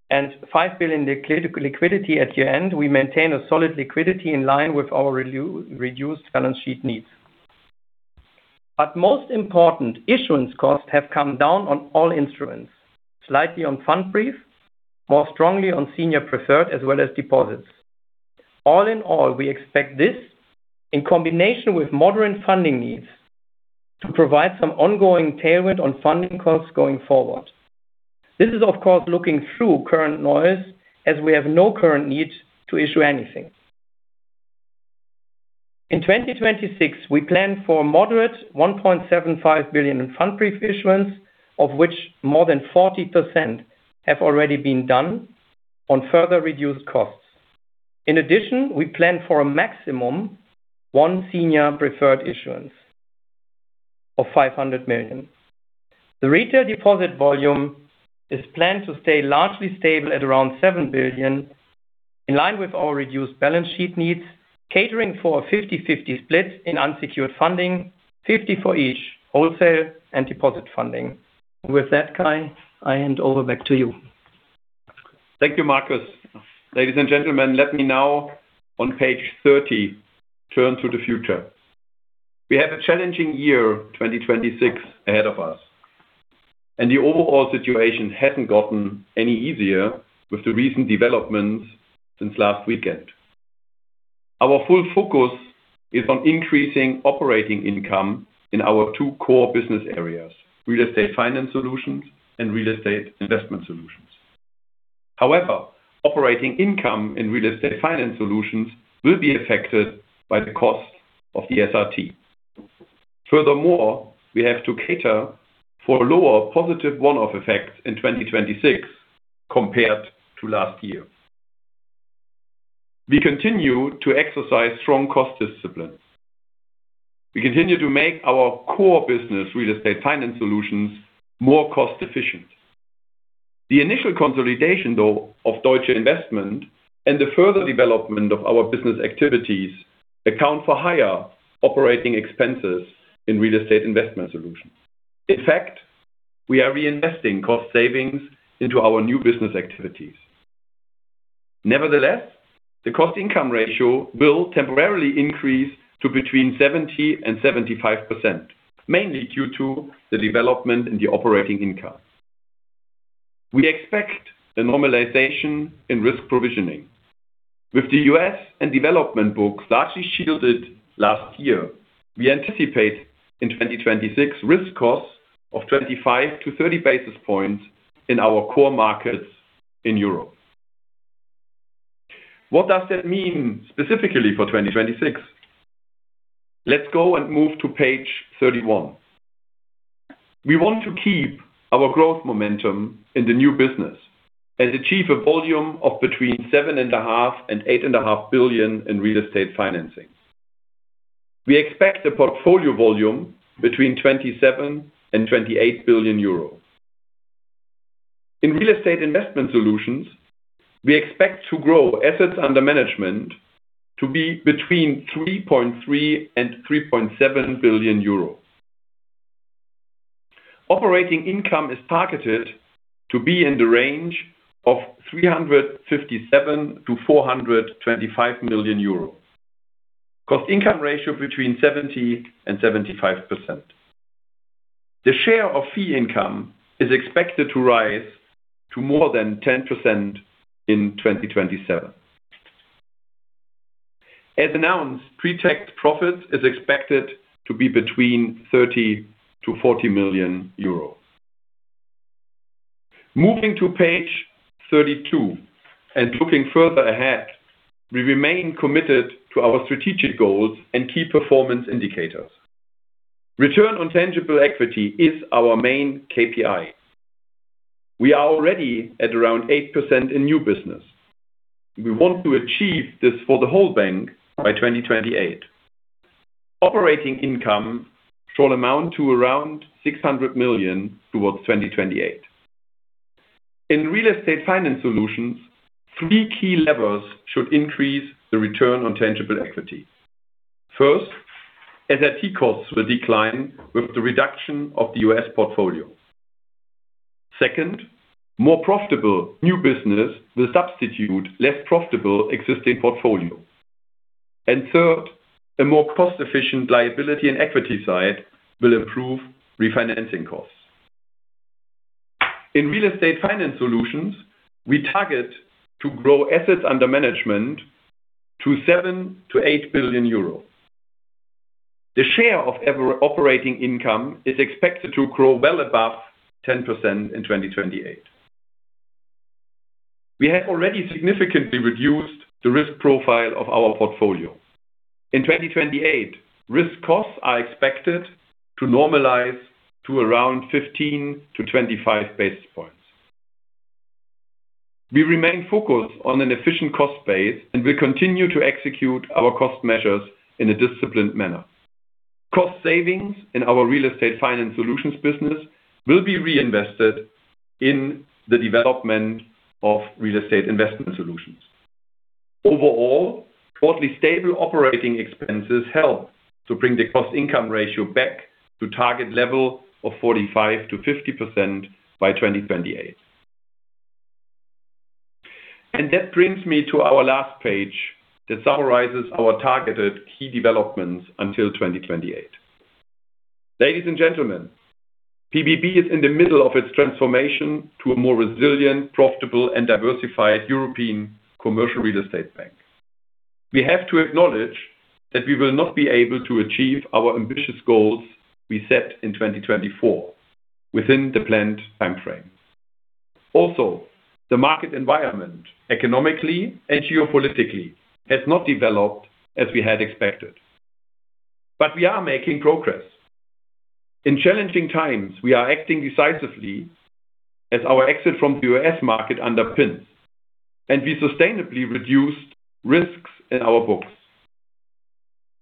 S3: and 5 billion liquidity at year-end, we maintain a solid liquidity in line with our reduced balance sheet needs. Most important, issuance costs have come down on all instruments, slightly on Pfandbrief, more strongly on senior preferred as well as deposits. All in all, we expect this in combination with moderate funding needs to provide some ongoing tailwind on funding costs going forward. This is, of course, looking through current noise as we have no current need to issue anything. In 2026, we plan for a moderate 1.75 billion in Pfandbrief issuance, of which more than 40% have already been done on further reduced costs. In addition, we plan for a maximum one senior preferred issuance of 500 million. The retail deposit volume is planned to stay largely stable at around 7 billion, in line with our reduced balance sheet needs, catering for a 50/50 split in unsecured funding, 50 for each, wholesale and deposit funding. With that, Kay, I hand over back to you.
S2: Thank you, Marcus. Ladies and gentlemen, let me now on page 30 turn to the future. We have a challenging year, 2026, ahead of us, and the overall situation hasn't gotten any easier with the recent developments since last weekend. Our full focus is on increasing operating income in our two core business areas, Real Estate Finance Solutions and Real Estate Investment Solutions. However, operating income in Real Estate Finance Solutions will be affected by the cost of the SRT. Furthermore, we have to cater for lower positive one-off effects in 2026 compared to last year. We continue to exercise strong cost discipline. We continue to make our core business, Real Estate Finance Solutions, more cost-efficient. The initial consolidation, though, of Deutsche Investment and the further development of our business activities account for higher operating expenses in Real Estate Investment Solutions. In fact, we are reinvesting cost savings into our new business activities. Nevertheless, the cost income ratio will temporarily increase to between 70% and 75%, mainly due to the development in the operating income. We expect a normalization in risk provisioning. With the U.S. and development books largely shielded last year, we anticipate in 2026 risk costs of 25 to 30 basis points in our core markets in Europe. What does that mean specifically for 2026? Let's go and move to page 31. We want to keep our growth momentum in the new business and achieve a volume of between seven and a half billion and eight and a half billion in real estate financing. We expect a portfolio volume between 27 billion and 28 billion euro. In Real Estate Investment Solutions, we expect to grow assets under management to be between 3.3 billion and 3.7 billion euros. Operating income is targeted to be in the range of 357 million-425 million euros. cost income ratio between 70% and 75%. The share of fee income is expected to rise to more than 10% in 2027. As announced, pre-tax profit is expected to be between 30 million-40 million euros. Moving to page 32 and looking further ahead, we remain committed to our strategic goals and key performance indicators. return on tangible equity is our main KPI. We are already at around 8% in new business. We want to achieve this for the whole bank by 2028. Operating income shall amount to around 600 million towards 2028. In Real Estate Finance Solutions, 3 key levers should increase the return on tangible equity. First, SRT costs will decline with the reduction of the U.S. portfolio. Second, more profitable new business will substitute less profitable existing portfolio. Third, a more cost-efficient liability and equity side will improve refinancing costs. In Real Estate Finance Solutions, we target to grow assets under management to 7 billion-8 billion euros. The share of every operating income is expected to grow well above 10% in 2028. We have already significantly reduced the risk profile of our portfolio. In 2028, risk costs are expected to normalize to around 15 to 25 basis points. We remain focused on an efficient cost base and will continue to execute our cost measures in a disciplined manner. Cost savings in our Real Estate Finance Solutions business will be reinvested in the development of Real Estate Investment Solutions. Overall, broadly stable operating expenses help to bring the cost income ratio back to target level of 45%-50% by 2028. That brings me to our last page that summarizes our targeted key developments until 2028. Ladies and gentlemen, PBB is in the middle of its transformation to a more resilient, profitable, and diversified European commercial real estate bank. We have to acknowledge that we will not be able to achieve our ambitious goals we set in 2024 within the planned time frames. The market environment, economically and geopolitically, has not developed as we had expected. We are making progress. In challenging times, we are acting decisively as our exit from the U.S. market underpins, and we sustainably reduce risks in our books.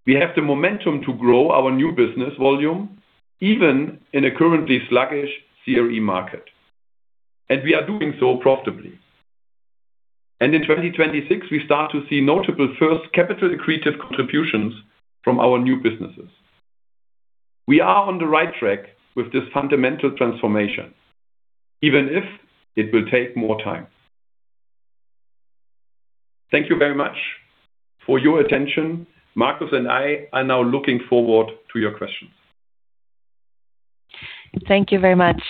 S2: We have the momentum to grow our new business volume, even in a currently sluggish CRE market, and we are doing so profitably. In 2026, we start to see notable first capital accretive contributions from our new businesses. We are on the right track with this fundamental transformation, even if it will take more time. Thank you very much for your attention. Marcus and I are now looking forward to your questions.
S1: Thank you very much.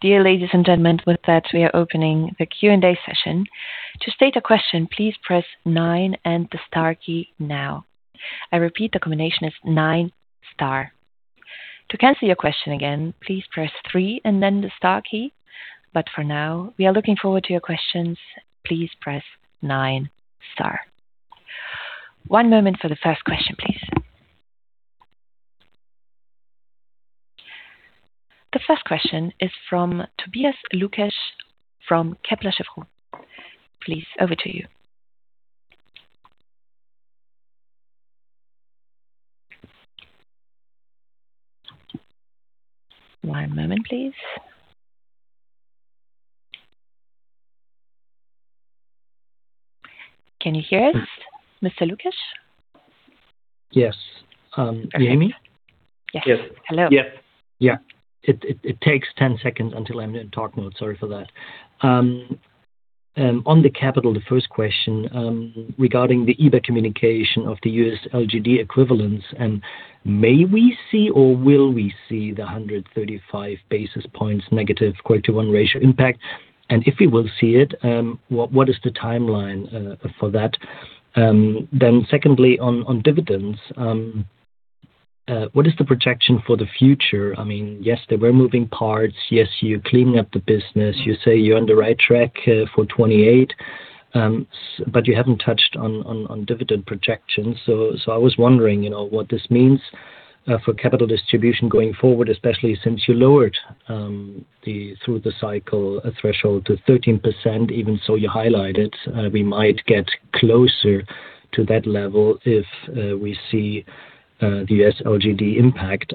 S1: Dear ladies and gentlemen, with that, we are opening the Q&A session. To state a question, please press nine and the star key now. I repeat, the combination is nine star. To cancel your question again, please press three and then the star key. For now, we are looking forward to your questions. Please press nine star. One moment for the first question, please. The first question is from Tobias Lukesch from Kepler Cheuvreux. Please, over to you. One moment, please. Can you hear us, Mr. Lukesch?
S4: Can you hear me?
S1: Yes. Hello.
S2: Yes.
S4: Yeah. It takes 10 seconds until I'm in talk mode. Sorry for that. On the capital, the first question, regarding the EBA communication of the U.S. LGD equivalence, may we see or will we see the 135 basis points negative quarter one ratio impact? If we will see it, what is the timeline for that? Secondly, on dividends, what is the projection for the future? I mean, yes, there were moving parts. Yes, you're cleaning up the business. You say you're on the right track for 2028, but you haven't touched on dividend projections. I was wondering, you know, what this means for capital distribution going forward, especially since you lowered the through the cycle threshold to 13%. You highlighted, we might get closer to that level if we see the U.S. LGD impact.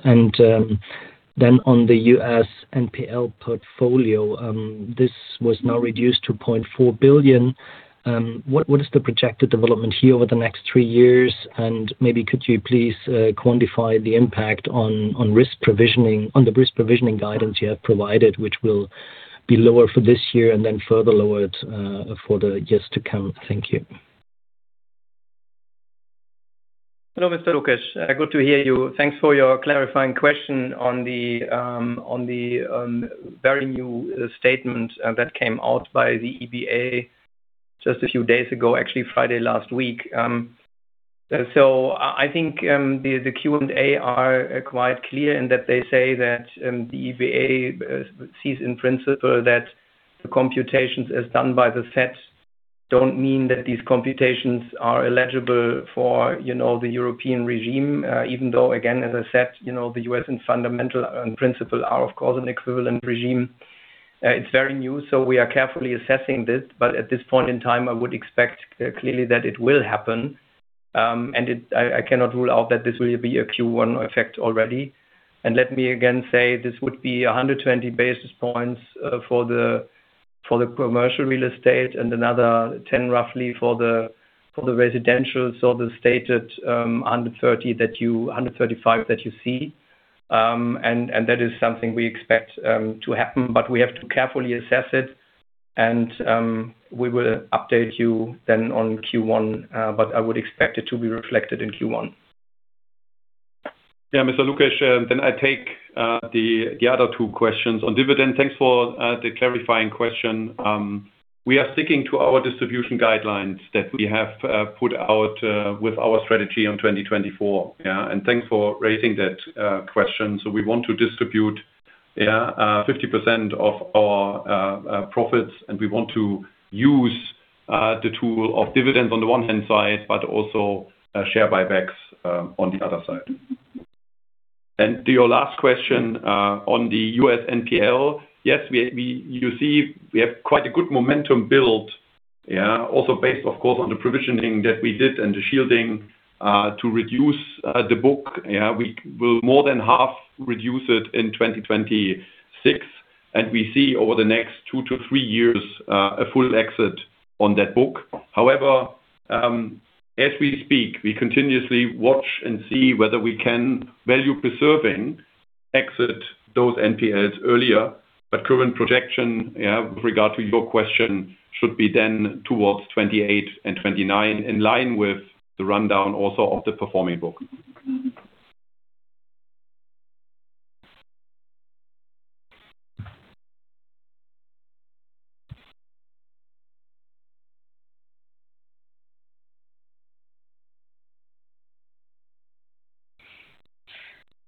S4: Then on the U.S. NPL portfolio, this was now reduced to 0.4 billion. What is the projected development here over the next three years? Maybe could you please quantify the impact on risk provisioning guidance you have provided, which will be lower for this year and then further lowered for the years to come. Thank you.
S3: Hello, Mr. Lukesch. Good to hear you. Thanks for your clarifying question on the on the very new statement that came out by the EBA just a few days ago, actually Friday last week. I think, the Q&A are quite clear in that they say that the EBA sees in principle that the computations as done by the Fed don't mean that these computations are eligible for, you know, the European regime. Even though, again, as I said, you know, the U.S. and fundamental and principle are of course an equivalent regime. It's very new, we are carefully assessing this. At this point in time, I would expect clearly that it will happen. I cannot rule out that this will be a Q1 effect already. Let me again say this would be 120 basis points for the commercial real estate and another 10 roughly for the residential. The stated 130 that you 135 that you see. That is something we expect to happen. We have to carefully assess it and we will update you then on Q1. I would expect it to be reflected in Q1.
S2: Yeah. Mr. Lukesch, I take the other two questions. On dividend, thanks for the clarifying question. We are sticking to our distribution guidelines that we have put out with our strategy on 2024. Yeah. Thanks for raising that question. We want to distribute, yeah, 50% of our profits, and we want to use the tool of dividends on the one hand side, but also share buybacks on the other side. To your last question on the U.S. NPL. Yes, you see, we have quite a good momentum build, yeah. Also based of course, on the provisioning that we did and the shielding to reduce the book. Yeah. We will more than half reduce it in 2026, and we see over the next 2-3 years, a full exit on that book. However, as we speak, we continuously watch and see whether we can value preserving exit those NPLs earlier. Current projection, with regard to your question, should be then towards 2028 and 2029, in line with the rundown also of the performing book.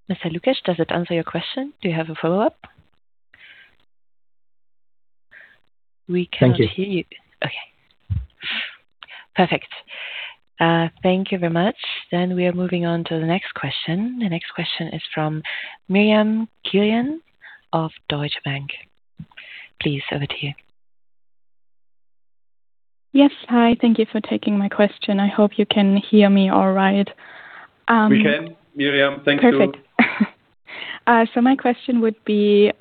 S1: Mr. Lukesh, does that answer your question? Do you have a follow-up? We cannot hear you.
S4: Thank you.
S1: Okay. Perfect. Thank you very much. We are moving on to the next question. The next question is from Miriam Killian of Deutsche Bank. Please, over to you.
S5: Yes. Hi. Thank you for taking my question. I hope you can hear me all right.
S3: We can, Miriam. Thanks too.
S5: Perfect. My question would be,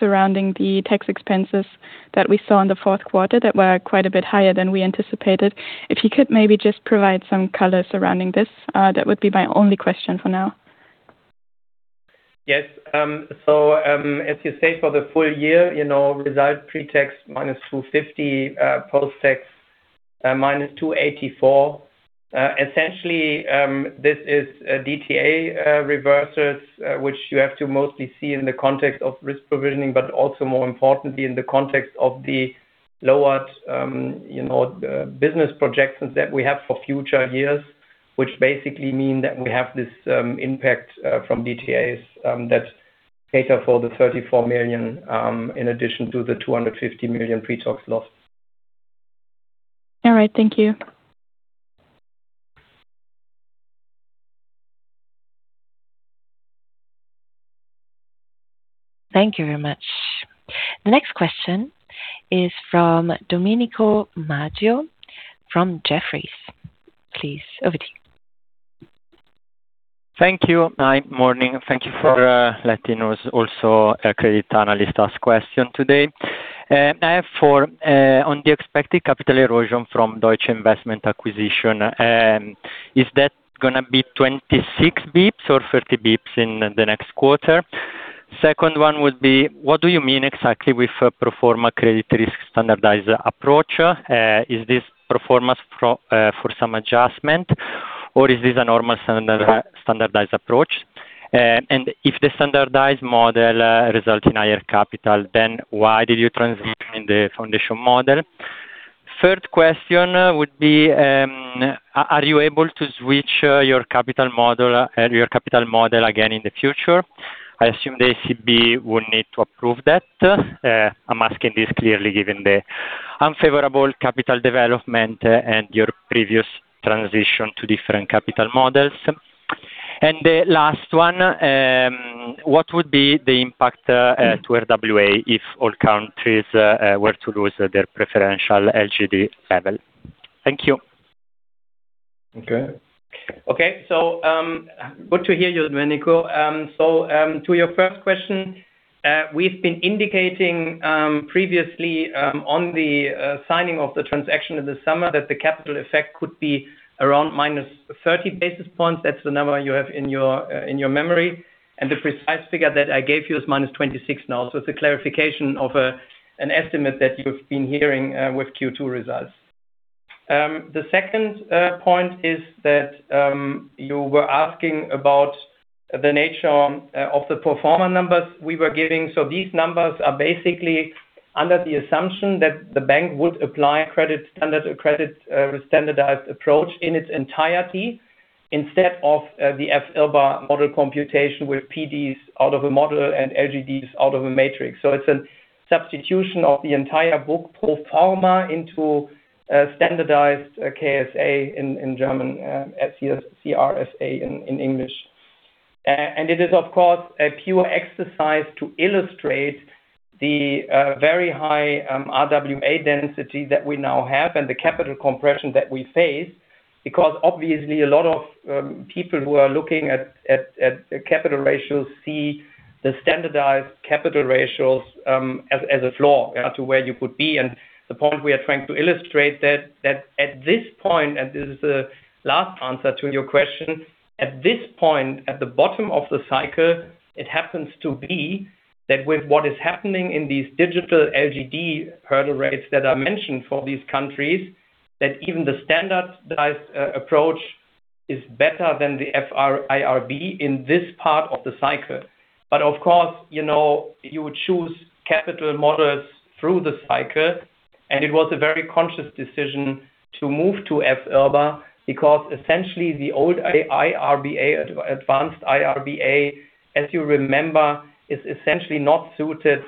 S5: surrounding the tax expenses that we saw in the fourth quarter that were quite a bit higher than we anticipated. If you could maybe just provide some color surrounding this, that would be my only question for now.
S3: As you say, for the full year, you know, result pre-tax - 250, post-tax - 284. This is DTA reversals, which you have to mostly see in the context of risk provisioning, but also more importantly in the context of the lowered business projections that we have for future years, which basically mean that we have this impact from DTAs that cater for the 34 million in addition to the 250 million pre-tax loss.
S5: All right. Thank you.
S1: Thank you very much. The next question is from Domenico Maggio from Jefferies. Please, over to you.
S6: Thank you. Hi. Morning. Thank you for letting us also a credit analyst ask question today. I have for on the expected capital erosion from Deutsche Investment acquisition. Is that gonna be 26 basis points or 30 basis points in the next quarter? Second one would be, what do you mean exactly with a pro forma Credit Risk Standardised Approach? Is this pro forma for some adjustment or is this a normal standardized approach? If the standardized model result in higher capital, then why did you transition in the Foundation model? Third question would be, are you able to switch your capital model again in the future? I assume the ECB would need to approve that. I'm asking this clearly given the unfavorable capital development and your previous transition to different capital models. The last one, what would be the impact to RWA if all countries were to lose their preferential LGD level? Thank you.
S2: Okay.
S3: Okay. Good to hear you, Domenico. To your first question, we've been indicating previously on the signing of the transaction in the summer that the capital effect could be around -30 basis points. That's the number you have in your, in your memory. The precise figure that I gave you is -26 now. It's a clarification of an estimate that you've been hearing with Q2 results. The second point is that you were asking about the nature of the pro forma numbers we were giving. These numbers are basically under the assumption that the bank would apply a credit standardized approach in its entirety instead of the F-IRB model computation with PDs out of a model and LGDs out of a matrix. It's a substitution of the entire book pro forma into a standardized KSA in German, SC-CRSA in English. It is, of course, a pure exercise to illustrate the very high RWA density that we now have and the capital compression that we face. Obviously a lot of people who are looking at capital ratios see the standardized capital ratios as a flaw to where you could be. The point we are trying to illustrate that at this point, and this is the last answer to your question. At this point, at the bottom of the cycle, it happens to be that with what is happening in these digital LGD hurdle rates that I mentioned for these countries, that even the standardized approach is better than the F-IRB in this part of the cycle. Of course, you know, you would choose capital models through the cycle, and it was a very conscious decision to move to F-IRB because essentially the old IRBA, advanced IRBA, as you remember, is essentially not suited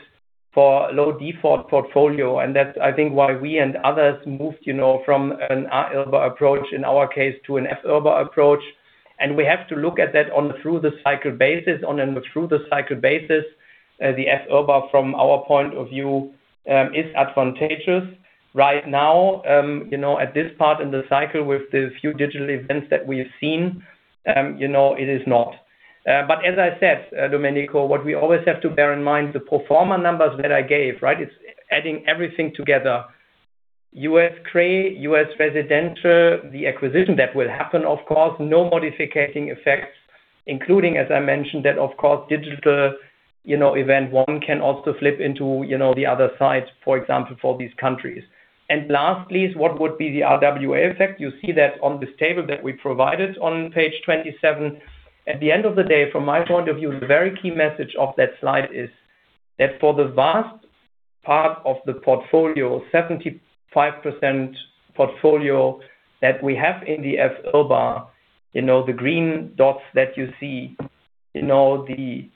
S3: for low default portfolio. That's I think why we and others moved, you know, from an IRBA approach in our case to an F-IRB approach. We have to look at that on through the cycle basis. On and through the cycle basis, the F-IRB from our point of view is advantageous. Right now, you know, at this part in the cycle with the few digital events that we've seen, you know, it is not. As I said, Domenico, what we always have to bear in mind, the pro forma numbers that I gave, right? It's adding everything together. U.S. CRE, U.S. Residential, the acquisition that will happen, of course, no modification effects, including, as I mentioned that of course, digital, you know, event one can also flip into, you know, the other side, for example, for these countries. Lastly, what would be the RWA effect? You see that on this table that we provided on page 27. At the end of the day, from my point of view, the very key message of that slide is that for the vast part of the portfolio, 75% portfolio that we have in the F-IRB, you know, the green dots that you see. You know, the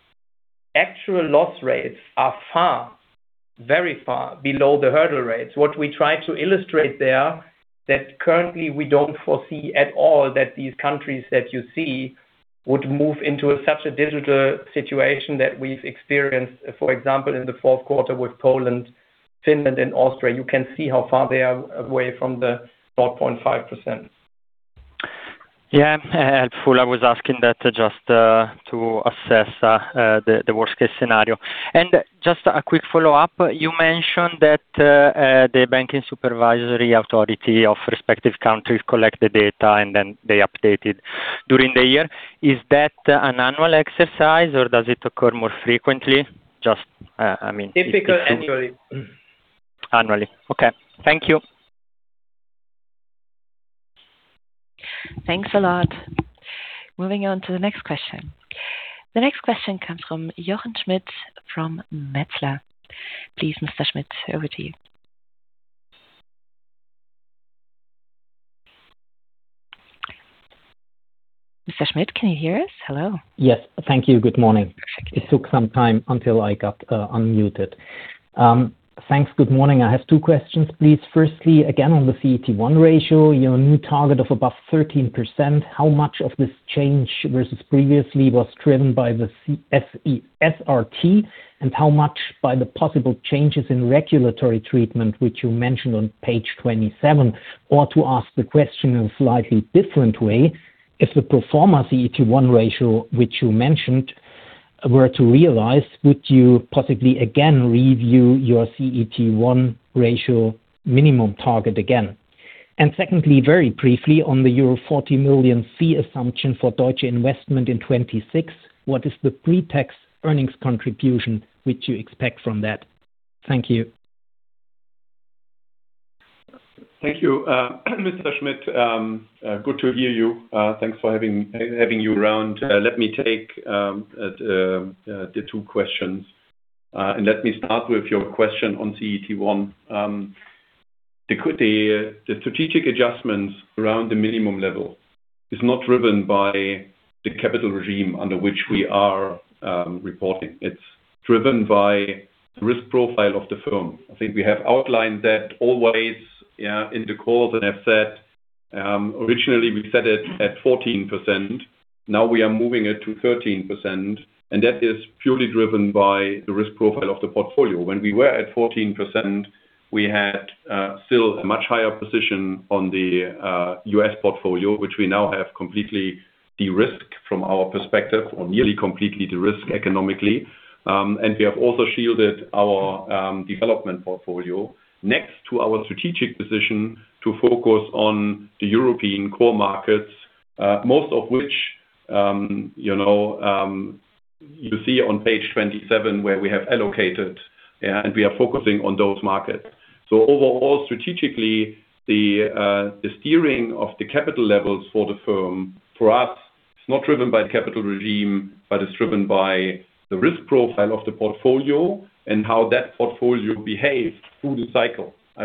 S3: actual loss rates are far, very far below the hurdle rates. What we try to illustrate there, that currently we don't foresee at all that these countries that you see would move into such a digital situation that we've experienced, for example, in the fourth quarter with Poland, Finland and Austria. You can see how far they are away from the 4.5%.
S6: Yeah. Helpful. I was asking that just to assess the worst-case scenario. Just a quick follow-up. You mentioned that the banking supervisory authority of respective countries collect the data and then they update it during the year. Is that an annual exercise or does it occur more frequently? Just.
S3: Typically annually.
S6: Annually. Okay. Thank you.
S1: Thanks a lot. Moving on to the next question. The next question comes from Jochen Schmitt from Metzler. Please, Mr. Schmitt, over to you. Mr. Schmitt, can you hear us? Hello.
S7: Yes. Thank you. Good morning. It took some time until I got unmuted. Thanks. Good morning. I have two questions, please. Firstly, again, on the CET1 ratio, your new target of above 13%, how much of this change versus previously was driven by the SRT, and how much by the possible changes in regulatory treatment, which you mentioned on page 27? Or to ask the question in a slightly different way, if the pro forma CET1 ratio, which you mentioned, were to realize, would you possibly again review your CET1 ratio minimum target again? Secondly, very briefly on the euro 40 million fee assumption for Deutsche Investment in 2026. What is the pre-tax earnings contribution which you expect from that? Thank you.
S2: Thank you, Mr. Schmidt. Good to hear you. Thanks for having you around. Let me take the 2 questions. Let me start with your question on CET1. The strategic adjustments around the minimum level is not driven by the capital regime under which we are reporting. It's driven by risk profile of the firm. I think we have outlined that always, yeah, in the calls and have said, originally we set it at 14%, now we are moving it to 13%, and that is purely driven by the risk profile of the portfolio. When we were at 14%, we had still a much higher position on the U.S. portfolio, which we now have completely de-risked from our perspective, or nearly completely de-risked economically. We have also shielded our development portfolio next to our strategic position to focus on the European core markets, most of which, you know, you see on page 27 where we have allocated and we are focusing on those markets. Overall, strategically, the steering of the capital levels for the firm, for us, it's not driven by the capital regime, but it's driven by the risk profile of the portfolio and how that portfolio behaves through the cycle. I,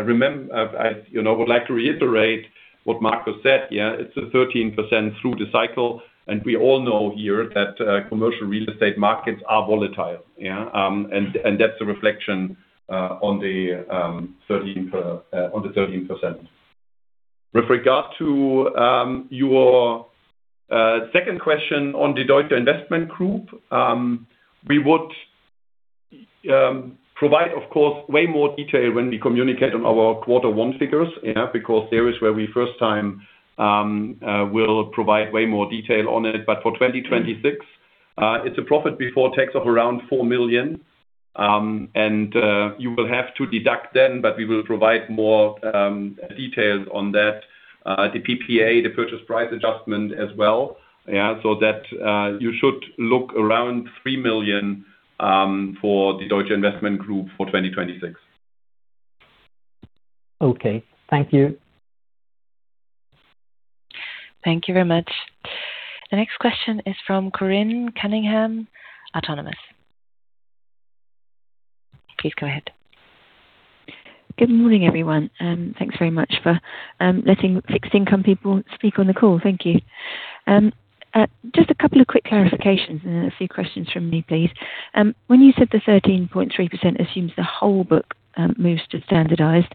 S2: you know, would like to reiterate what Marcus said, yeah. It's a 13% through the cycle, we all know here that commercial real estate markets are volatile, yeah. That's a reflection on the 13%. With regard to your second question on the Deutsche Investment Group. We would provide, of course, way more detail when we communicate on our quarter one figures. There is where we first time will provide way more detail on it. For 2026, it's a profit before tax of around 4 million. You will have to deduct then, we will provide more details on that. The PPA, the purchase price adjustment as well. You should look around 3 million for the Deutsche Investment Group for 2026.
S7: Okay. Thank you.
S1: Thank you very much. The next question is from Corinne Cunningham, Autonomous. Please go ahead.
S8: Good morning, everyone. Thanks very much for letting fixed income people speak on the call. Thank you. Just a couple of quick clarifications and a few questions from me, please. When you said the 13.3% assumes the whole book moves to standardized,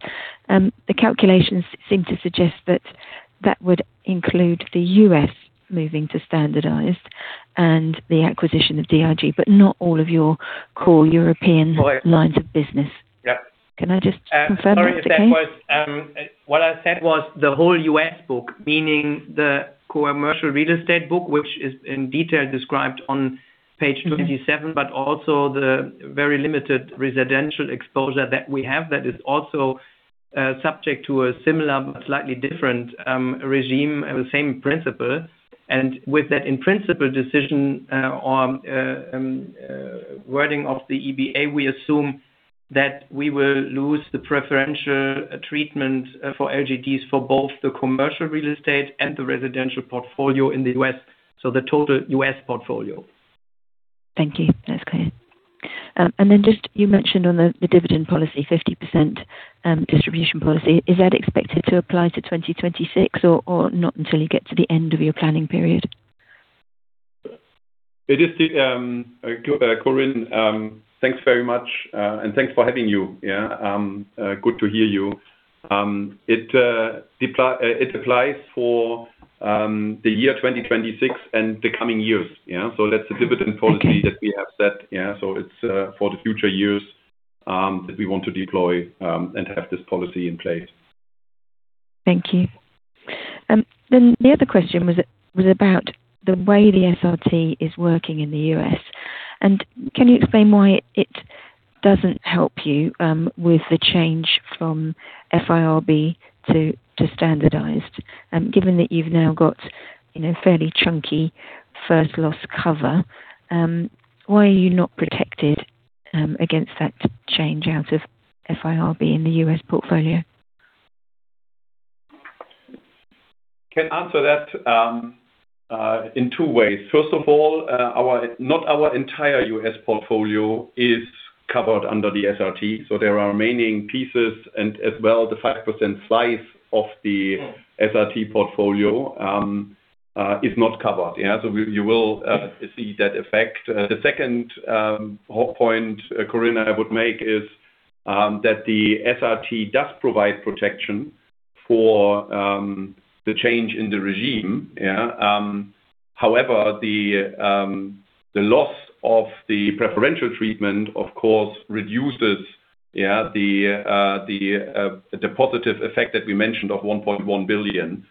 S8: the calculations seem to suggest that that would include the U.S. moving to standardized and the acquisition of DIG, but not all of your core European lines of business.
S2: Yeah.
S8: Can I just confirm that's the case?
S3: What I said was the whole U.S. book. Meaning the commercial real estate book, which is in detail described on page 27, but also the very limited residential exposure that we have that is also subject to a similar but slightly different regime and the same principle. With that, in principle decision on wording of the EBA, we assume that we will lose the preferential treatment for LGDs for both the commercial real estate and the residential portfolio in the U.S. The total U.S. portfolio.
S8: Thank you. That's clear. Just you mentioned on the dividend policy, 50%, distribution policy. Is that expected to apply to 2026 or not until you get to the end of your planning period?
S2: It is, Corinne, thanks very much. Thanks for having you, yeah. Good to hear you. It, it applies for the year 2026 and the coming years. Yeah. That's the dividend policy-
S8: Okay.
S2: that we have set. Yeah. It's for the future years that we want to deploy and have this policy in place.
S8: Thank you. The other question was about the way the SRT is working in the U.S.. Can you explain why it doesn't help you with the change from FIRB to standardized? Given that you've now got, you know, fairly chunky first loss cover, why are you not protected against that change out of FIRB in the U.S. portfolio?
S2: Can answer that in two ways. First of all, not our entire U.S. portfolio is covered under the SRT, so there are remaining pieces and as well, the 5% slice of the SRT portfolio is not covered. Yeah. You will see that effect. The second point, Corinne, I would make is that the SRT does provide protection for the change in the regime. Yeah. However, the loss of the preferential treatment, of course, reduces, yeah, the positive effect that we mentioned of 1.1 billion.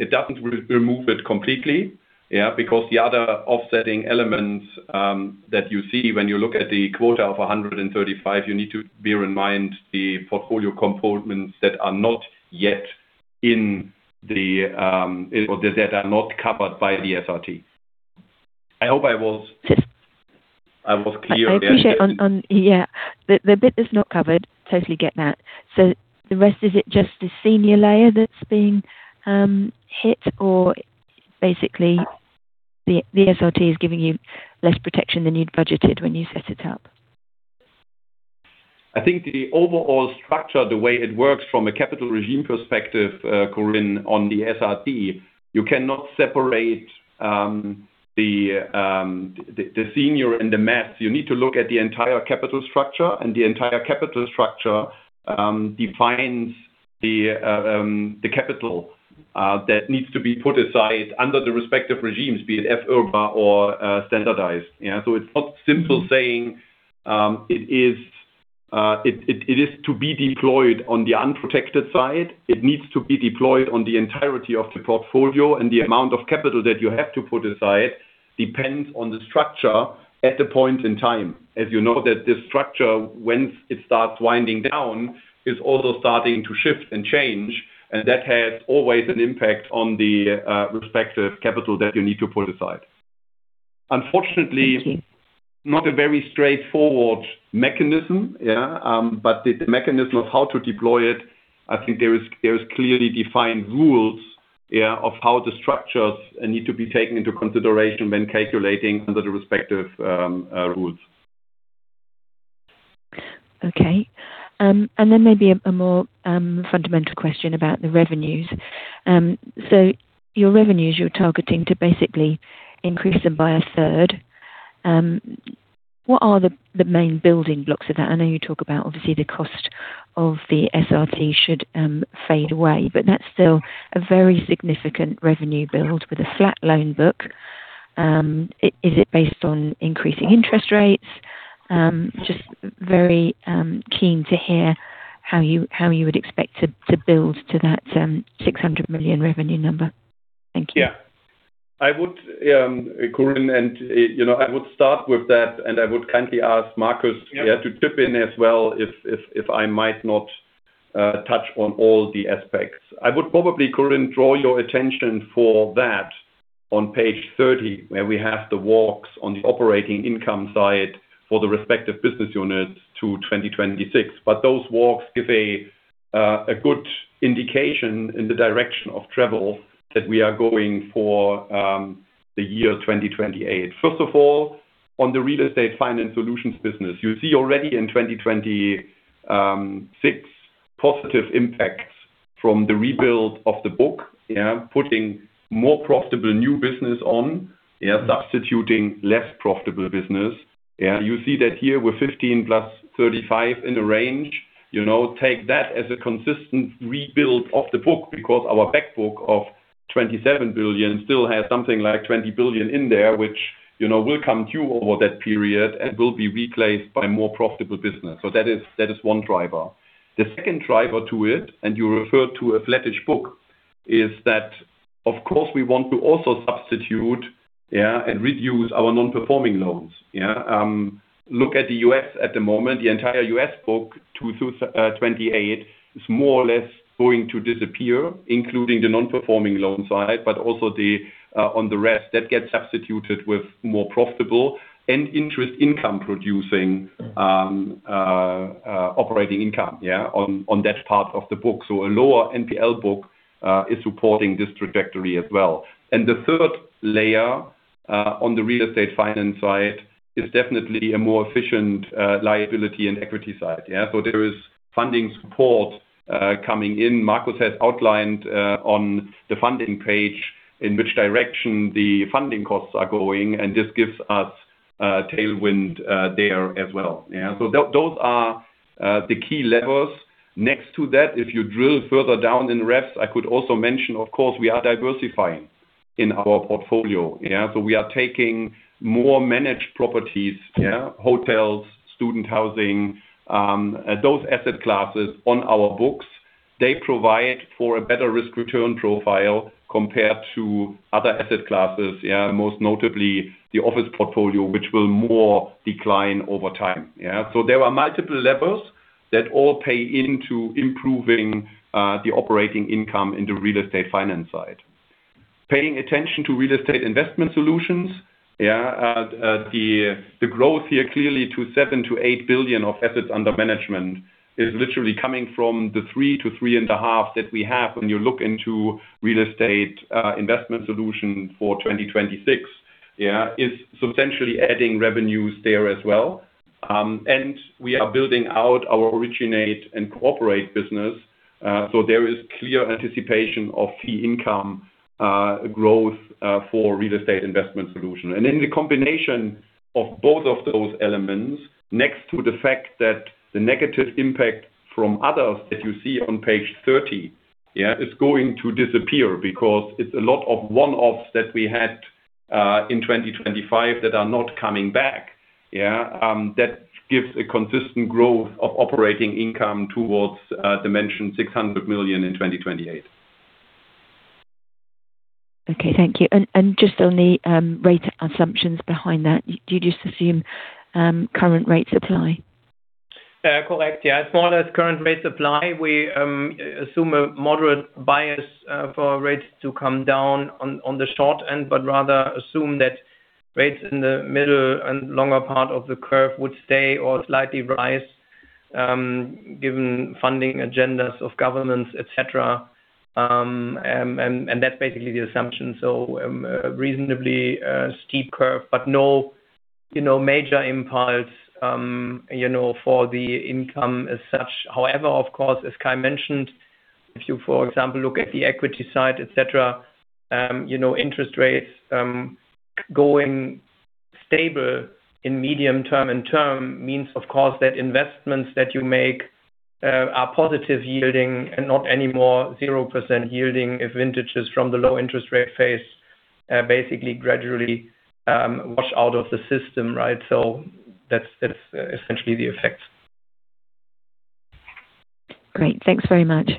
S2: It doesn't re-remove it completely, yeah. The other offsetting elements that you see when you look at the quota of 135, you need to bear in mind the portfolio components that are not yet in the, or that are not covered by the SRT. I hope I was clear there.
S8: I appreciate on. Yeah. The bit that's not covered, totally get that. The rest, is it just the senior layer that's being hit or basically the SRT is giving you less protection than you'd budgeted when you set it up?
S2: I think the overall structure, the way it works from a capital regime perspective, Corinne, on the SRT, you cannot separate the senior and the mezzanine. You need to look at the entire capital structure, the entire capital structure defines the capital that needs to be put aside under the respective regimes, be it FIRB or standardized. It's not simple saying it is to be deployed on the unprotected side. It needs to be deployed on the entirety of the portfolio, the amount of capital that you have to put aside depends on the structure at the point in time. As you know that this structure, once it starts winding down, is also starting to shift and change, and that has always an impact on the respective capital that you need to put aside.
S8: Thank you.
S2: Not a very straightforward mechanism, yeah. The mechanism of how to deploy it, I think there is clearly defined rules, yeah, of how the structures need to be taken into consideration when calculating under the respective rules.
S8: Okay. Then maybe a more fundamental question about the revenues. Your revenues, you're targeting to basically increase them by a third. What are the main building blocks of that? I know you talk about obviously the cost of the SRT should fade away, but that's still a very significant revenue build with a flat loan book. Is it based on increasing interest rates? Just very keen to hear how you would expect to build to that 600 million revenue number. Thank you.
S2: Yeah. I would, Corinne, you know, I would start with that, and I would kindly ask Marcus-
S8: Yeah.
S2: To chip in as well if I might not touch on all the aspects. I would probably, Corinne, draw your attention for that on page 30, where we have the walks on the operating income side for the respective business units to 2026. Those walks give a good indication in the direction of travel that we are going for the year 2028. First of all, on the Real Estate Finance Solutions business. You see already in 2026 positive impacts from the rebuild of the book. Yeah. Putting more profitable new business on. Yeah. Substituting less profitable business. Yeah. You see that here with 15 plus 35 in the range. You know, take that as a consistent rebuild of the book because our back book of 27 billion still has something like 20 billion in there, which you know, will come due over that period and will be replaced by more profitable business. That is one driver. The second driver to it, and you referred to a flattish book, is that of course we want to also substitute and reduce our non-performing loans. Look at the U.S. at the moment. The entire U.S. book to 2028 is more or less going to disappear, including the non-performing loan side, but also on the rest that gets substituted with more profitable and interest income producing operating income on that part of the book. A lower NPL book is supporting this trajectory as well. The third layer on the Real Estate Finance side is definitely a more efficient liability and equity side. Yeah. There is funding support coming in. Marcus has outlined on the funding page in which direction the funding costs are going, and this gives us a tailwind there as well. Yeah. Those are the key levers. Next to that, if you drill further down in reps, I could also mention of course, we are diversifying in our portfolio. Yeah. We are taking more managed properties. Yeah. Hotels, student housing, those asset classes on our books. They provide for a better risk return profile compared to other asset classes. Yeah. Most notably the office portfolio, which will more decline over time. Yeah. There are multiple levels that all pay into improving the operating income in the Real Estate Finance side. Paying attention to Real Estate Investment Solutions. The growth here clearly to 7 billion-8 billion of assets under management is literally coming from the 3 billion-3.5 billion that we have when you look into Real Estate Investment Solutions for 2026. It's substantially adding revenues there as well. We are building out our Originate and Cooperate business. There is clear anticipation of fee income growth for Real Estate Investment Solutions. The combination of both of those elements next to the fact that the negative impact from others that you see on page 30 is going to disappear because it's a lot of one-offs that we had in 2025 that are not coming back. That gives a consistent growth of operating income towards the mentioned 600 million in 2028.
S8: Okay. Thank you. Just on the rate assumptions behind that, do you just assume current rates apply?
S3: Yeah, correct. Yeah. As far as current rates apply, we assume a moderate bias for rates to come down on the short end, but rather assume that rates in the middle and longer part of the curve would stay or slightly rise, given funding agendas of governments, et cetera. That's basically the assumption. Reasonably steep curve, but no, you know, major impulse, you know, for the income as such. However, of course, as Kay mentioned, if you, for example, look at the equity side, et cetera, you know, interest rates going stable in medium term and term means of course, that investments that you make are positive yielding and not any more 0% yielding if vintages from the low interest rate phase basically gradually wash out of the system, right? That's essentially the effect.
S8: Great. Thanks very much.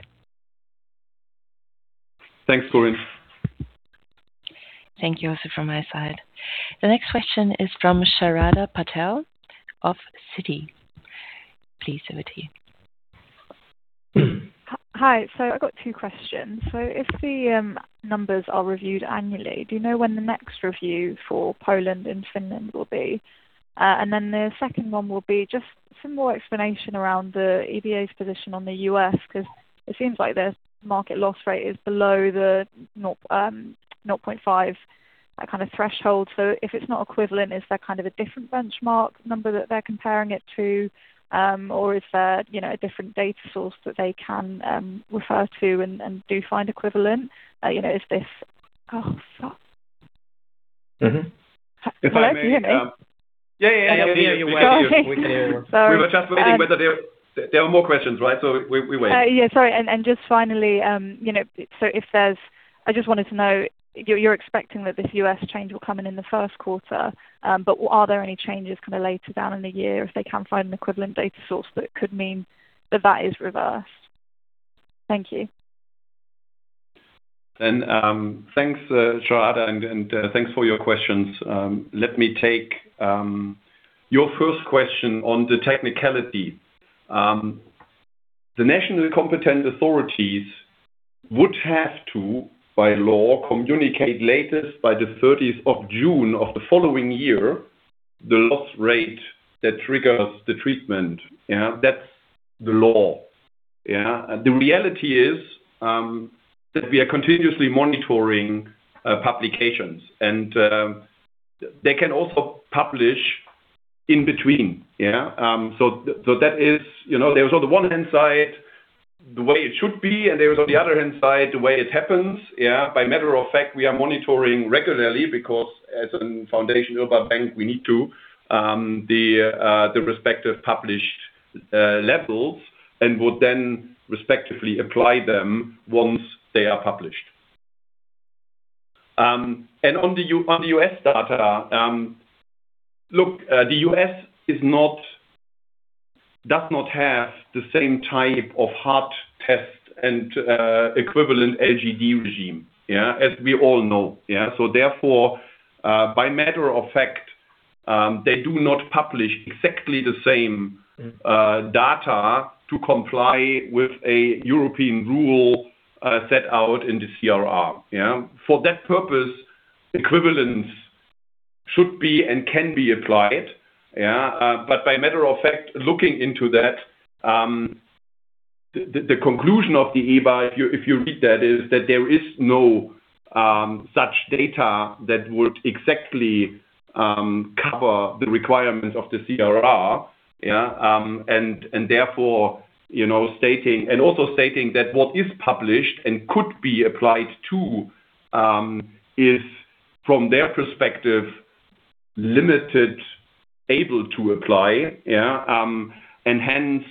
S2: Thanks, Corinne.
S1: Thank you also from my side. The next question is from Sharada Patel of Citi. Please over to you.
S9: Hi. I've got two questions. If the numbers are reviewed annually, do you know when the next review for Poland and Finland will be? The second one will be just some more explanation around the EBA's position on the U.S., 'cause it seems like the market loss rate is below the not, 0.5, that kind of threshold. If it's not equivalent, is there kind of a different benchmark number that they're comparing it to? Or is there, you know, a different data source that they can refer to and do find equivalent? You know, Oh, fuck.
S2: Mm-hmm.
S9: Hello, can you hear me?
S2: Yeah, yeah. We hear you. We can hear you.
S9: Sorry.
S2: We were just waiting whether there are more questions, right? We wait.
S9: Yeah, sorry. Just finally, you know, I just wanted to know, you're expecting that this U.S. change will come in the first quarter. Are there any changes kind of later down in the year if they can't find an equivalent data source that could mean that is reversed? Thank you.
S2: Thanks, Sharada, and thanks for your questions. Let me take your first question on the technicality. The national competent authorities would have to, by law, communicate latest by the 30th of June of the following year, the loss rate that triggers the treatment. Yeah. That's the law. Yeah. The reality is that we are continuously monitoring publications, and they can also publish in between. Yeah. So that is, you know, there's on the one hand side, the way it should be, and there's on the other hand side, the way it happens. Yeah. By matter of fact, we are monitoring regularly because as a Foundation IRB bank, we need to the respective published levels and would then respectively apply them once they are published. On the U.S. data, look, the U.S. does not have the same type of hard test and equivalent LGD regime. Yeah. As we all know. Yeah. Therefore, by matter of fact, they do not publish exactly the same data to comply with a European rule, set out in the CRR. Yeah. For that purpose, equivalence should be and can be applied. Yeah. By matter of fact, looking into that, the conclusion of the EBA, if you, if you read that, is that there is no such data that would exactly cover the requirements of the CRR. Yeah. Therefore, you know, Also stating that what is published and could be applied to, is from their perspective, limited able to apply. Yeah. And hence,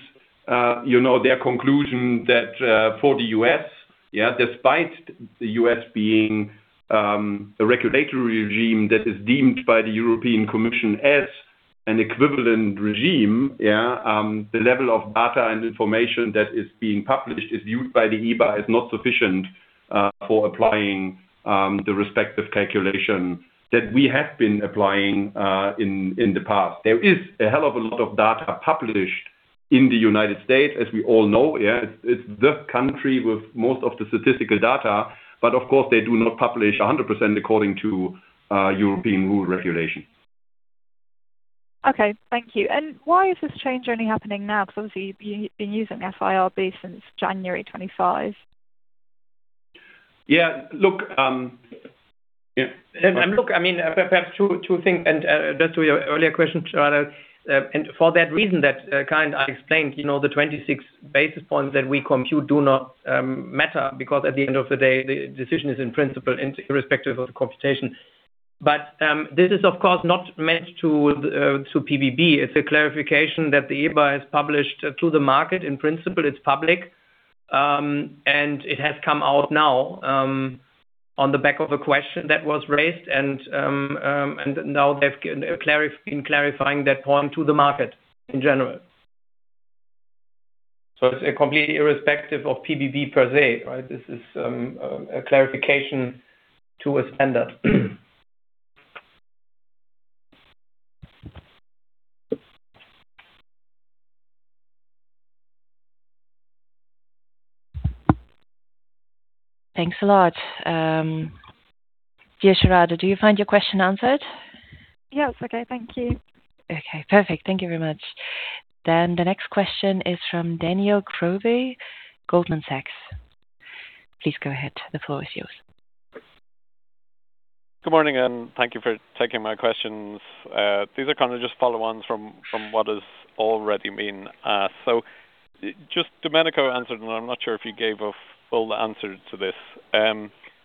S2: you know, their conclusion that for the U.S., yeah, despite the U.S. being a regulatory regime that is deemed by the European Commission as an equivalent regime, yeah, the level of data and information that is being published is used by the EBA is not sufficient for applying the respective calculation that we have been applying in the past. There is a hell of a lot of data published in the United States, as we all know. Yeah. It's the country with most of the statistical data. Of course, they do not publish 100% according to European rule regulation.
S9: Okay. Thank you. Why is this change only happening now? Obviously, you've been using FIRB since January 2025.
S3: Yeah. Look.
S2: Yeah.
S3: Look, I mean, perhaps two things. Just to your earlier question, Sharada, and for that reason that Kay and I explained, you know, the 26 basis points that we compute do not matter because at the end of the day, the decision is in principle, in irrespective of the computation. This is of course not meant to PBB. It's a clarification that the EBA has published to the market. In principle, it's public, and it has come out now on the back of a question that was raised and now they've been clarifying that point to the market in general. It's completely irrespective of PBB per se, right? This is a clarification to a standard.
S1: Thanks a lot. Sharada, do you find your question answered?
S9: Yeah, it's okay. Thank you.
S1: Okay, perfect. Thank you very much. The next question is from Daniel Covey, Goldman Sachs. Please go ahead. The floor is yours.
S10: Good morning, thank you for taking my questions. These are kind of just follow on from what has already been asked. Just Domenico answered, and I'm not sure if you gave a full answer to this,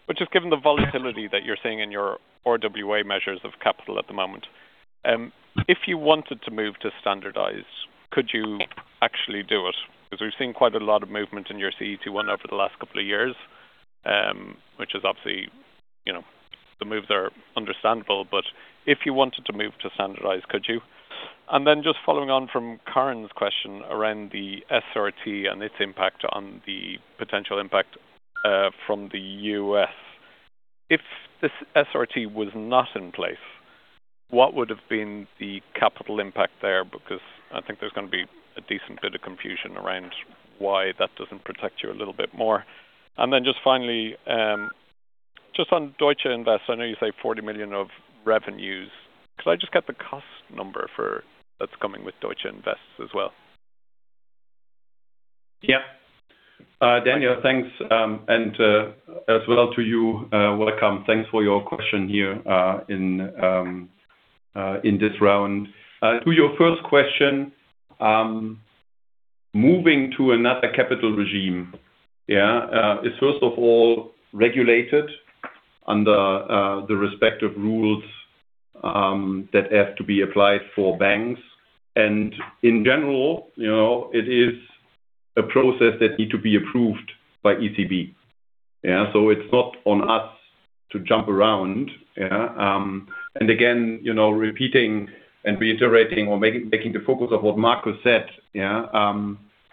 S10: but just given the volatility that you're seeing in your RWA measures of capital at the moment, if you wanted to move to standardized, could you actually do it? We've seen quite a lot of movement in your CET1 over the last couple of years, which is obviously, you know, the moves are understandable, but if you wanted to move to standardized, could you? Just following on from Corinne's question around the SRT and its impact on the potential impact from the U.S. If this SRT was not in place, what would have been the capital impact there? I think there's going to be a decent bit of confusion around why that doesn't protect you a little bit more. Just finally, just on Deutsche Investment, I know you say 40 million of revenues. Could I just get the cost number that's coming with Deutsche Investment as well?
S2: Yeah. Daniel, thanks. As well to you, welcome. Thanks for your question here in this round. To your first question, moving to another capital regime, yeah, is first of all regulated under the respective rules that have to be applied for banks. In general, you know, it is a process that need to be approved by ECB. Yeah, so it's not on us to jump around, yeah. Again, you know, repeating and reiterating or making the focus of what Marcus said, yeah.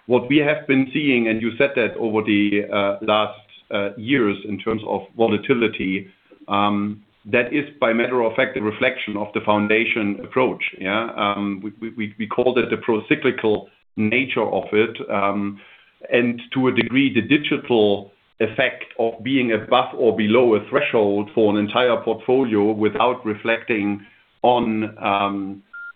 S2: What we have been seeing, and you said that over the last years in terms of volatility, that is by matter of fact, a reflection of the foundation approach, yeah. We call that the procyclical nature of it, and to a degree, the digital effect of being above or below a threshold for an entire portfolio without reflecting on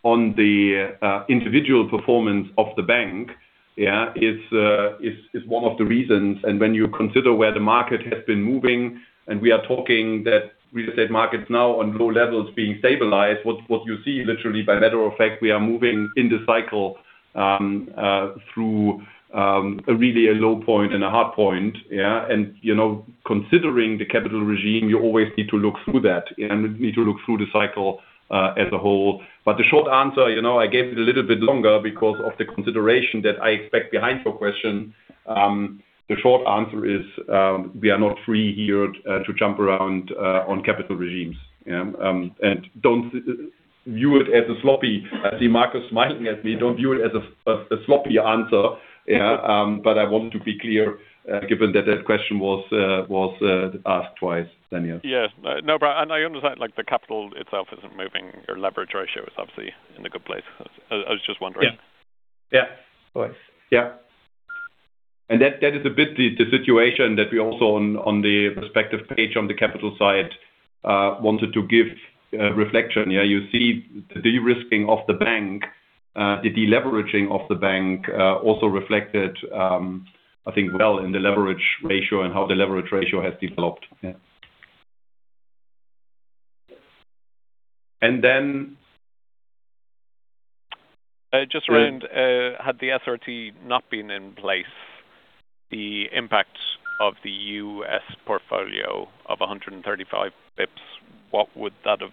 S2: the individual performance of the bank, yeah, is one of the reasons. When you consider where the market has been moving, and we are talking that real estate markets now on low levels being stabilized. What you see literally by matter of fact, we are moving in the cycle, through really a low point and a hard point, yeah. You know, considering the capital regime, you always need to look through that. You need to look through the cycle as a whole. The short answer, you know, I gave it a little bit longer because of the consideration that I expect behind your question. The short answer is we are not free here to jump around on capital regimes. Don't view it as a sloppy. I see Marcus smiling at me. Don't view it as a sloppy answer. Yeah. I want to be clear, given that that question was asked twice, Daniel.
S10: Yeah. No, I understand, like the capital itself isn't moving. Your leverage ratio is obviously in a good place. I was just wondering.
S2: Yeah. Yeah. Yeah. That is a bit the situation that we also on the respective page on the capital side, wanted to give reflection. Yeah, you see the de-risking of the bank, the de-leveraging of the bank, also reflected, I think well in the leverage ratio and how the leverage ratio has developed. Yeah.
S10: Just around, had the SRT not been in place, the impact of the U.S. portfolio of 135 basis points, what would that have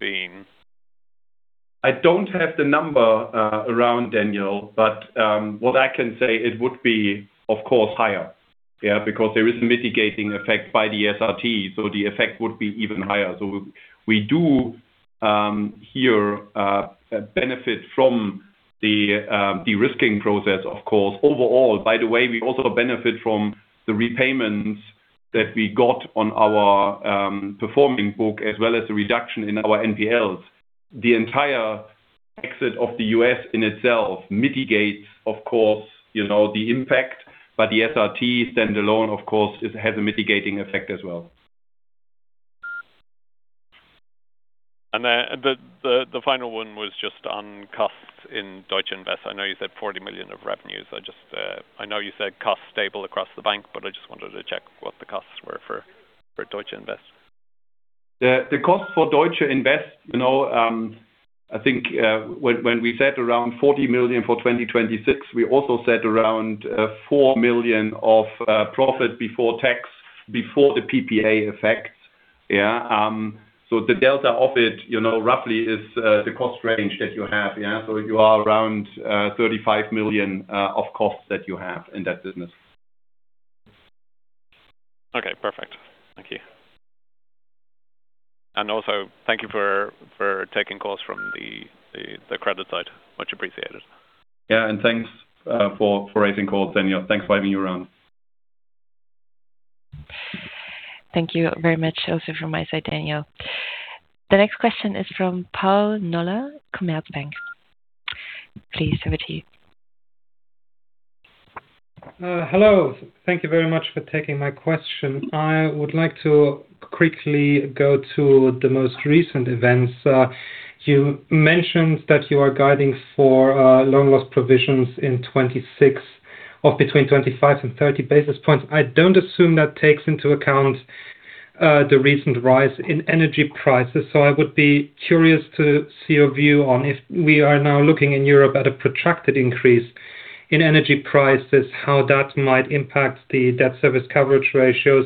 S10: been?
S2: I don't have the number around Daniel, but what I can say it would be, of course, higher. Yeah, because there is a mitigating effect by the SRT, the effect would be even higher. We do here benefit from the de-risking process, of course. Overall, by the way, we also benefit from the repayments that we got on our performing book, as well as the reduction in our NPLs. The entire exit of the U.S. in itself mitigates, of course, you know, the impact. The SRT standalone, of course, has a mitigating effect as well.
S10: The final one was just on costs in Deutsche Invest. I know you said 40 million of revenues. I know you said costs stable across the bank, but I wanted to check what the costs were for Deutsche Invest.
S2: The cost for Deutsche Invest, you know, I think, when we said around 40 million for 2026, we also said around 4 million of profit before tax, before the PPA effect. The delta of it, you know, roughly is the cost range that you have. You are around 35 million of costs that you have in that business.
S10: Okay, perfect. Thank you. Also thank you for taking calls from the credit side. Much appreciated.
S2: Yeah. Thanks, for raising calls, Daniel. Thanks for having me around.
S1: Thank you very much also from my side, Daniel. The next question is from Paul Noller, Commerzbank. Please over to you.
S11: Hello. Thank you very much for taking my question. I would like to quickly go to the most recent events. You mentioned that you are guiding for loan loss provisions in 2026 of between 25 and 30 basis points. I don't assume that takes into account the recent rise in energy prices. I would be curious to see your view on if we are now looking in Europe at a protracted increase in energy prices, how that might impact the debt service coverage ratio,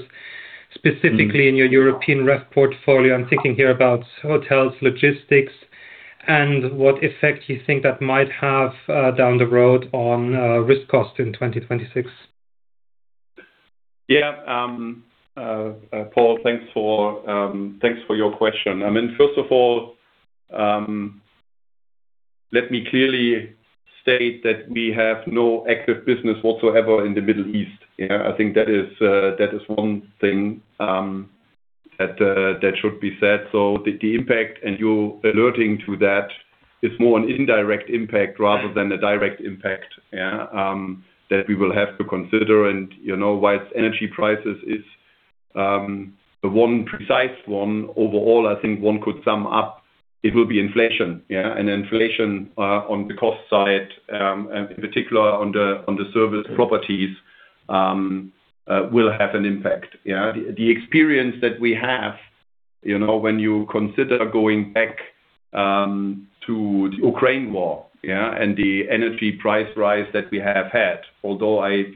S11: specifically in your European REST portfolio. I'm thinking here about hotels, logistics, and what effect you think that might have down the road on risk cost in 2026.
S2: Paul, thanks for your question. I mean, first of all, let me clearly state that we have no active business whatsoever in the Middle East. I think that is one thing that should be said. The impact, and you alerting to that is more an indirect impact rather than a direct impact, that we will have to consider. You know, whilst energy prices is the one precise one overall, I think one could sum up it will be inflation. Inflation on the cost side and in particular on the service properties will have an impact. The experience that we have, you know, when you consider going back to the Ukraine war, yeah, and the energy price rise that we have had. I,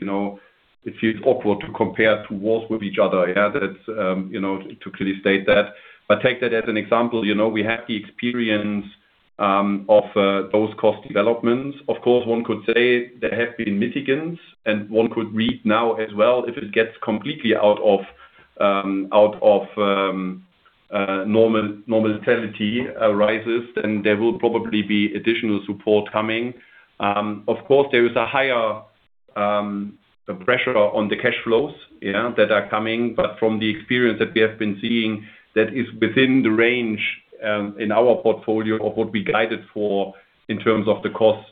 S2: you know, it feels awkward to compare two wars with each other, yeah. That it's, you know, to clearly state that. Take that as an example, you know, we have the experience of those cost developments. Of course, one could say there have been mitigants, and one could read now as well, if it gets completely out of normality arises, then there will probably be additional support coming. Of course, there is a higher pressure on the cash flows that are coming, but from the experience that we have been seeing, that is within the range in our portfolio of what we guided for in terms of the cost.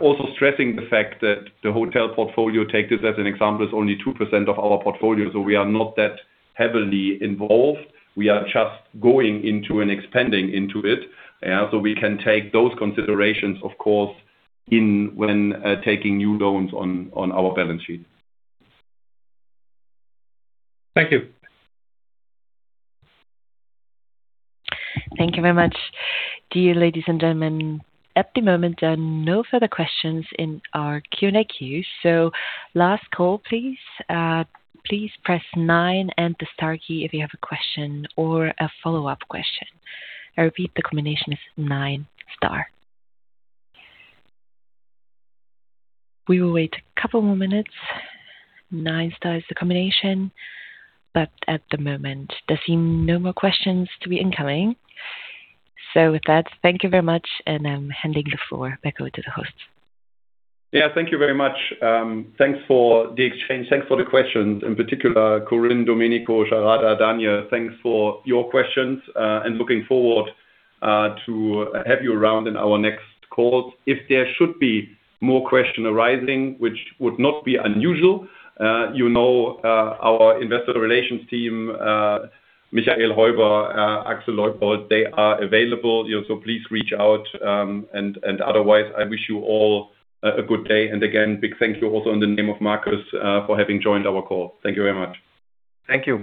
S2: Also stressing the fact that the hotel portfolio, take this as an example, is only 2% of our portfolio. We are not that heavily involved. We are just going into and expanding into it. We can take those considerations, of course, in when taking new loans on our balance sheet.
S11: Thank you.
S1: Thank you very much. Dear ladies and gentlemen, at the moment, there are no further questions in our Q&A queue. Last call, please. Please press nine and the star key if you have a question or a follow-up question. I repeat, the combination is nine star. We will wait a couple more minutes. Nine star is the combination, but at the moment there seem no more questions to be incoming. With that, thank you very much, and I'm handing the floor back over to the host.
S2: Thank you very much. Thanks for the exchange. Thanks for the questions. In particular, Corinne, Domenico, Sharada, Daniel, thanks for your questions, and looking forward to have you around in our next call. If there should be more question arising, which would not be unusual, you know, our investor relations team, Michael Heuber, Axel Leupold, they are available. Please reach out and otherwise, I wish you all a good day. Again, big thank you also in the name of Marcus, for having joined our call. Thank you very much.
S3: Thank you.